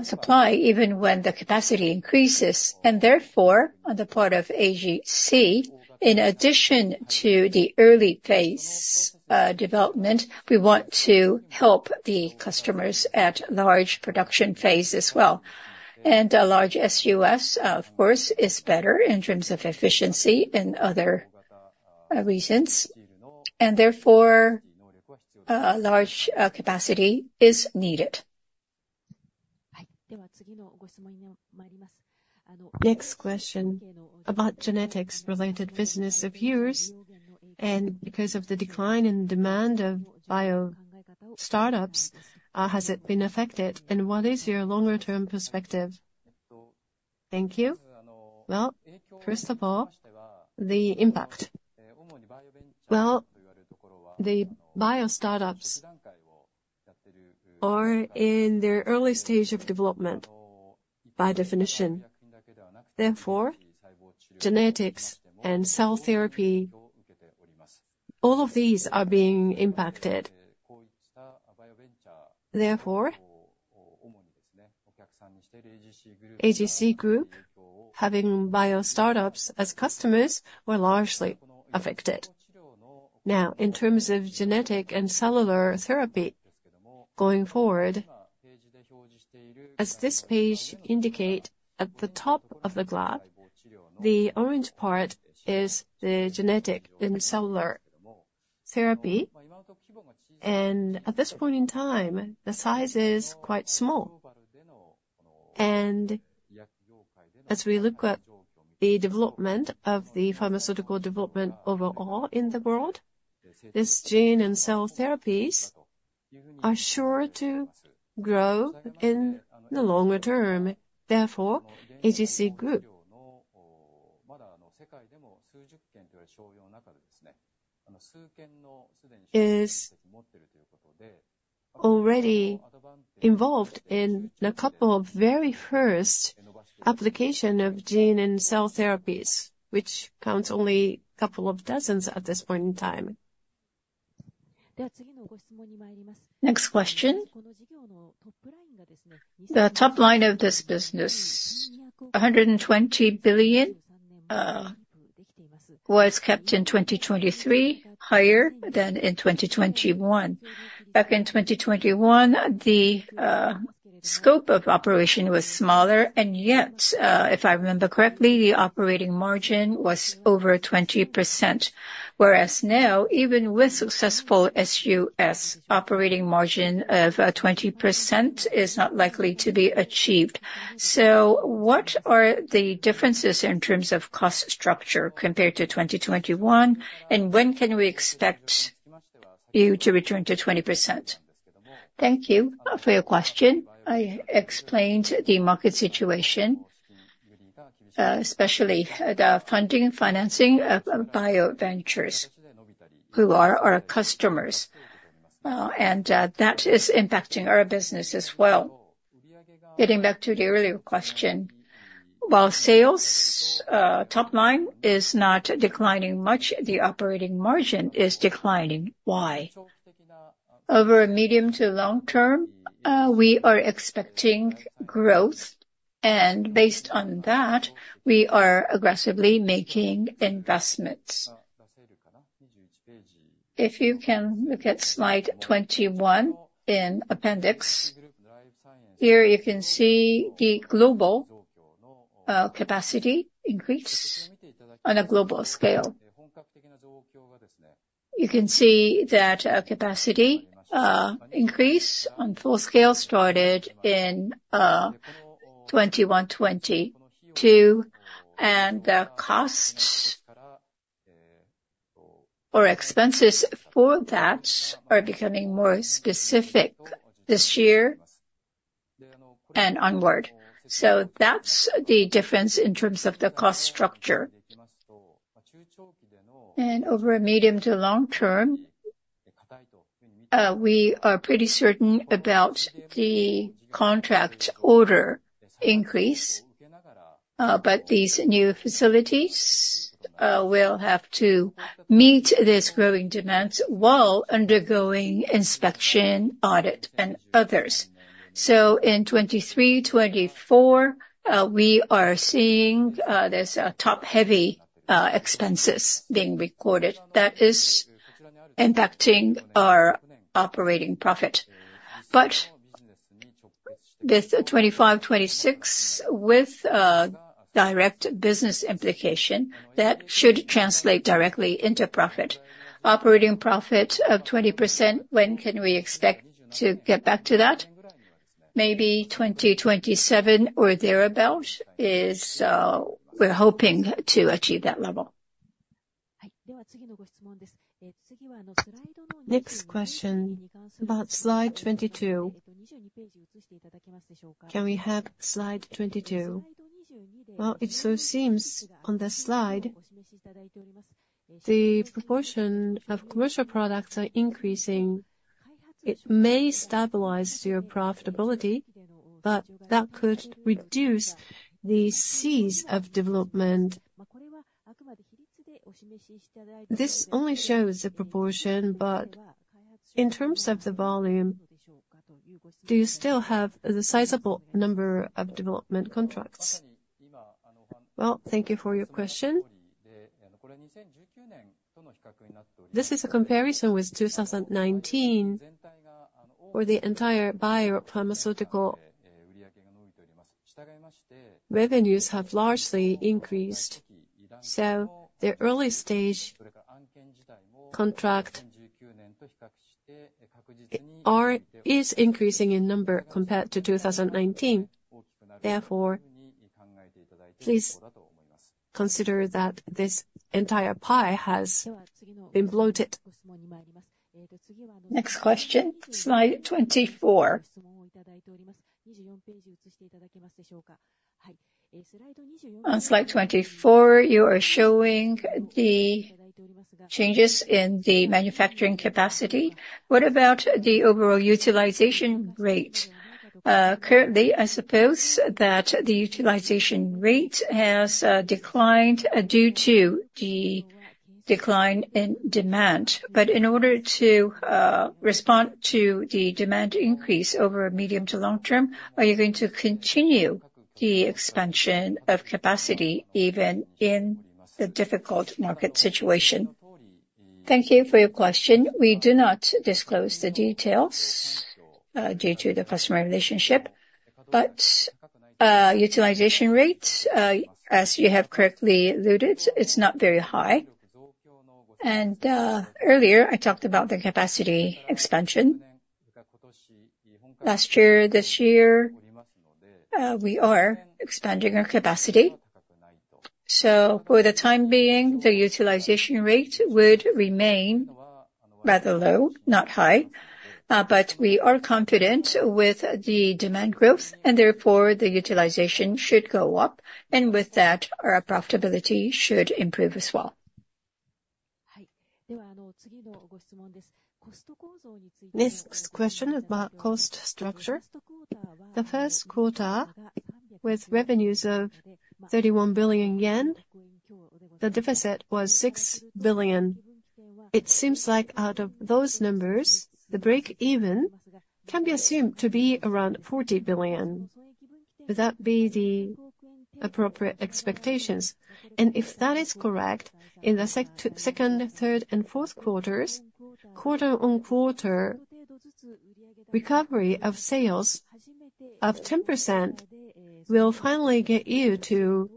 supply even when the capacity increases. And therefore, on the part of AGC, in addition to the early phase development, we want to help the customers at large production phase as well. And a large SUS, of course, is better in terms of efficiency in other regions, and therefore, a large capacity is needed. Next question, about genetics related business of yours, and because of the decline in demand of bio startups, has it been affected, and what is your longer term perspective? Thank you. Well, first of all, the impact. Well, the bio startups are in their early stage of development, by definition. Therefore, genetics and cell therapy, all of these are being impacted. Therefore, AGC Group, having bio startups as customers, were largely affected. Now, in terms of genetic and cellular therapy, going forward, as this page indicate, at the top of the graph, the orange part is the genetic and cellular therapy. And at this point in time, the size is quite small. And as we look at the development of the pharmaceutical development overall in the world, this gene and cell therapies are sure to grow in the longer term. Therefore, AGC Group is already involved in a couple of very first application of gene and cell therapies, which counts only a couple of dozens at this point in time. Next question. The top line of this business, 120 billion, was kept in 2023, higher than in 2021. Back in 2021, the scope of operation was smaller, and yet, if I remember correctly, the operating margin was over 20%. Whereas now, even with successful SUS, operating margin of 20% is not likely to be achieved. So what are the differences in terms of cost structure compared to 2021, and when can we expect you to return to 20%? Thank you for your question. I explained the market situation, especially the funding and financing of bio ventures who are our customers, and that is impacting our business as well. Getting back to the earlier question, while sales top line is not declining much, the operating margin is declining. Why? Over a medium to long term, we are expecting growth, and based on that, we are aggressively making investments. If you can look at slide 21 in appendix. Here you can see the global capacity increase on a global scale. You can see that capacity increase on full scale started in 2021, 2022, and the costs or expenses for that are becoming more specific this year and onward. So that's the difference in terms of the cost structure. Over a medium to long term, we are pretty certain about the contract order increase, but these new facilities will have to meet this growing demand while undergoing inspection, audit, and others. So in 2023, 2024, we are seeing this top-heavy expenses being recorded that is impacting our operating profit. But this 2025, 2026, with a direct business implication, that should translate directly into profit. Operating profit of 20%, when can we expect to get back to that? Maybe 2027 or thereabout is, we're hoping to achieve that level. Next question, about slide 22. Can we have slide 22? Well, it so seems on this slide, the proportion of commercial products are increasing. It may stabilize your profitability, but that could reduce the seeds of development. This only shows the proportion, but in terms of the volume, do you still have the sizable number of development contracts? Well, thank you for your question. This is a comparison with 2019, where the entire biopharmaceutical revenues have largely increased, so the early stage contract are, is increasing in number compared to 2019. Therefore, please consider that this entire pie has been bloated. Next question, slide 24. On slide 24, you are showing the changes in the manufacturing capacity. What about the overall utilization rate? Currently, I suppose that the utilization rate has declined due to the decline in demand. But in order to respond to the demand increase over a medium to long term, are you going to continue the expansion of capacity even in the difficult market situation? Thank you for your question. We do not disclose the details due to the customer relationship, but utilization rates, as you have correctly alluded, it's not very high. Earlier, I talked about the capacity expansion. Last year, this year, we are expanding our capacity. For the time being, the utilization rate would remain rather low, not high. But we are confident with the demand growth, and therefore, the utilization should go up, and with that, our profitability should improve as well. Next question is about cost structure. The first quarter, with revenues of 31 billion yen, the deficit was 6 billion. It seems like out of those numbers, the breakeven can be assumed to be around 40 billion. Would that be the appropriate expectations? If that is correct, in the second, third, and fourth quarters, quarter on quarter, recovery of sales of 10% will finally get you to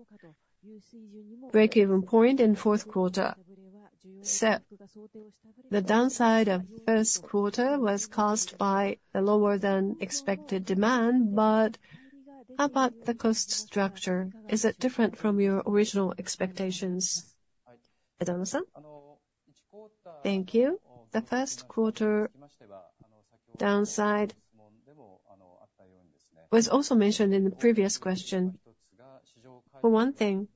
break-even point in fourth quarter. So the downside of first quarter was caused by a lower-than-expected demand, but how about the cost structure? Is it different from your original expectations? Thank you. The first quarter downside was also mentioned in the previous question. For one thing,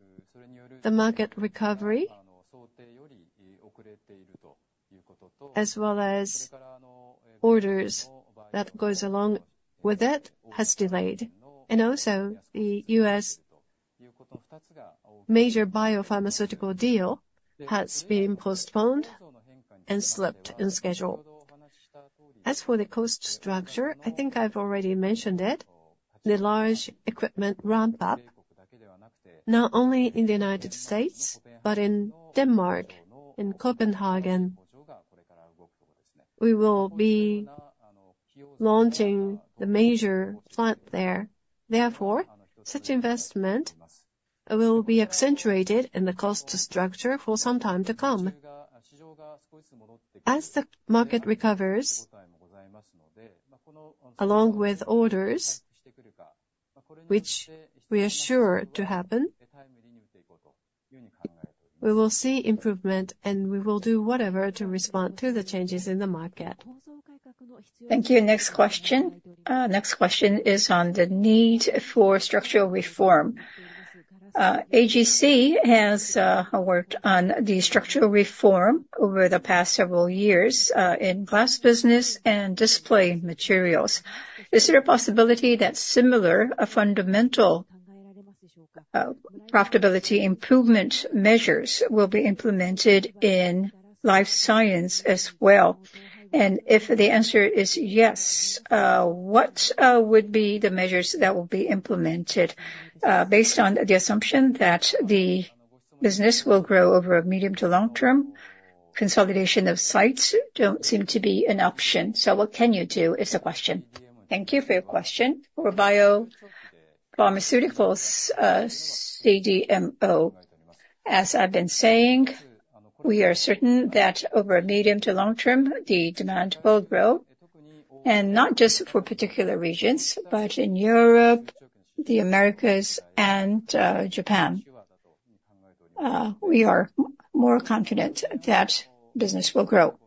the market recovery as well as orders that goes along with it has delayed. And also, the U.S. major biopharmaceutical deal has been postponed and slipped in schedule. As for the cost structure, I think I've already mentioned it, the large equipment ramp-up, not only in the United States, but in Denmark, in Copenhagen.... We will be launching the major plant there. Therefore, such investment will be accentuated in the cost structure for some time to come. As the market recovers, along with orders, which we are sure to happen, we will see improvement, and we will do whatever to respond to the changes in the market. Thank you. Next question, next question is on the need for structural reform. AGC has worked on the structural reform over the past several years in glass business and Display materials. Is there a possibility that similar, a fundamental profitability improvement measures will be implemented in Life Science as well? And if the answer is yes, what would be the measures that will be implemented? Based on the assumption that the business will grow over a medium to long term, consolidation of sites don't seem to be an option, so what can you do, is the question. Thank you for your question. For biopharmaceuticals, CDMO, as I've been saying, we are certain that over a medium to long term, the demand will grow, and not just for particular regions, but in Europe, the Americas, and, Japan. We are more confident that business will grow.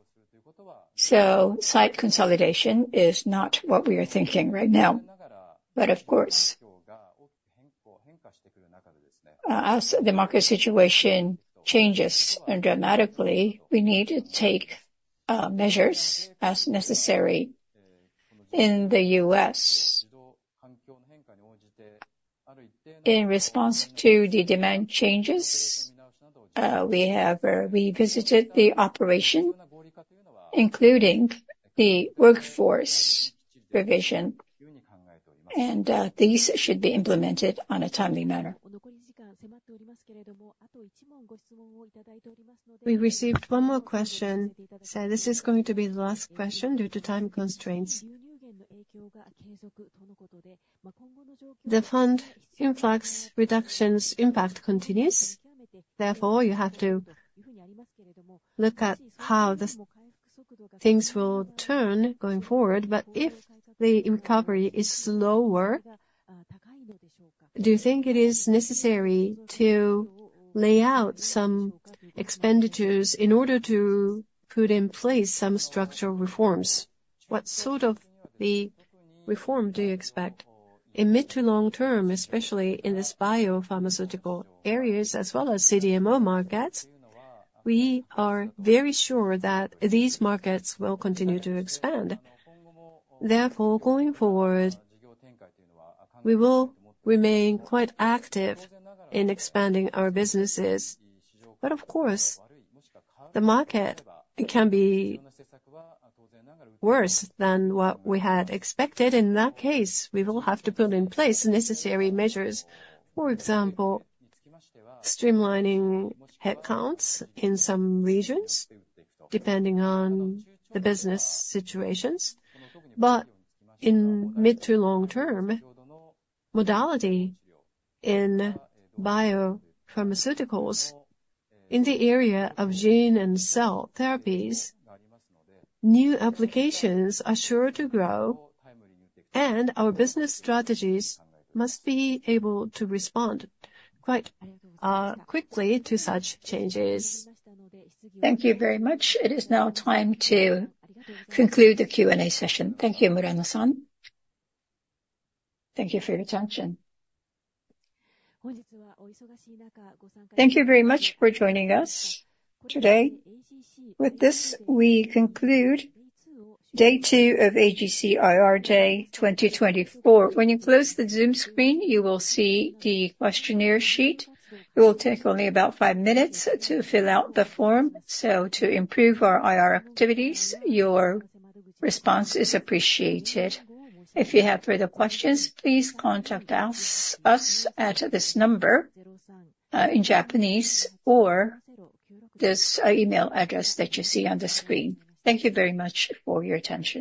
So site consolidation is not what we are thinking right now. But of course, as the market situation changes, and dramatically, we need to take, measures as necessary. In the U.S., in response to the demand changes, we have revisited the operation, including the workforce revision, and, these should be implemented on a timely manner. We received one more question, so this is going to be the last question due to time constraints. The fund influx reductions impact continues, therefore, you have to look at how the things will turn going forward. But if the recovery is slower, do you think it is necessary to lay out some expenditures in order to put in place some structural reforms? What sort of the reform do you expect? In mid to long term, especially in this biopharmaceutical areas, as well as CDMO markets, we are very sure that these markets will continue to expand. Therefore, going forward, we will remain quite active in expanding our businesses. But of course, the market can be worse than what we had expected. In that case, we will have to put in place the necessary measures. For example, streamlining headcounts in some regions, depending on the business situations. But in mid to long term, modality in biopharmaceuticals, in the area of gene and cell therapies, new applications are sure to grow, and our business strategies must be able to respond quite quickly to such changes. Thank you very much. It is now time to conclude the Q&A session. Thank you, Murano-san. Thank you for your attention. Thank you very much for joining us today. With this, we conclude Day 2 of AGC IR Day 2024. When you close the Zoom screen, you will see the questionnaire sheet. It will take only about five minutes to fill out the form, so to improve our IR activities, your response is appreciated. If you have further questions, please contact us at this number in Japanese, or this email address that you see on the screen. Thank you very much for your attention.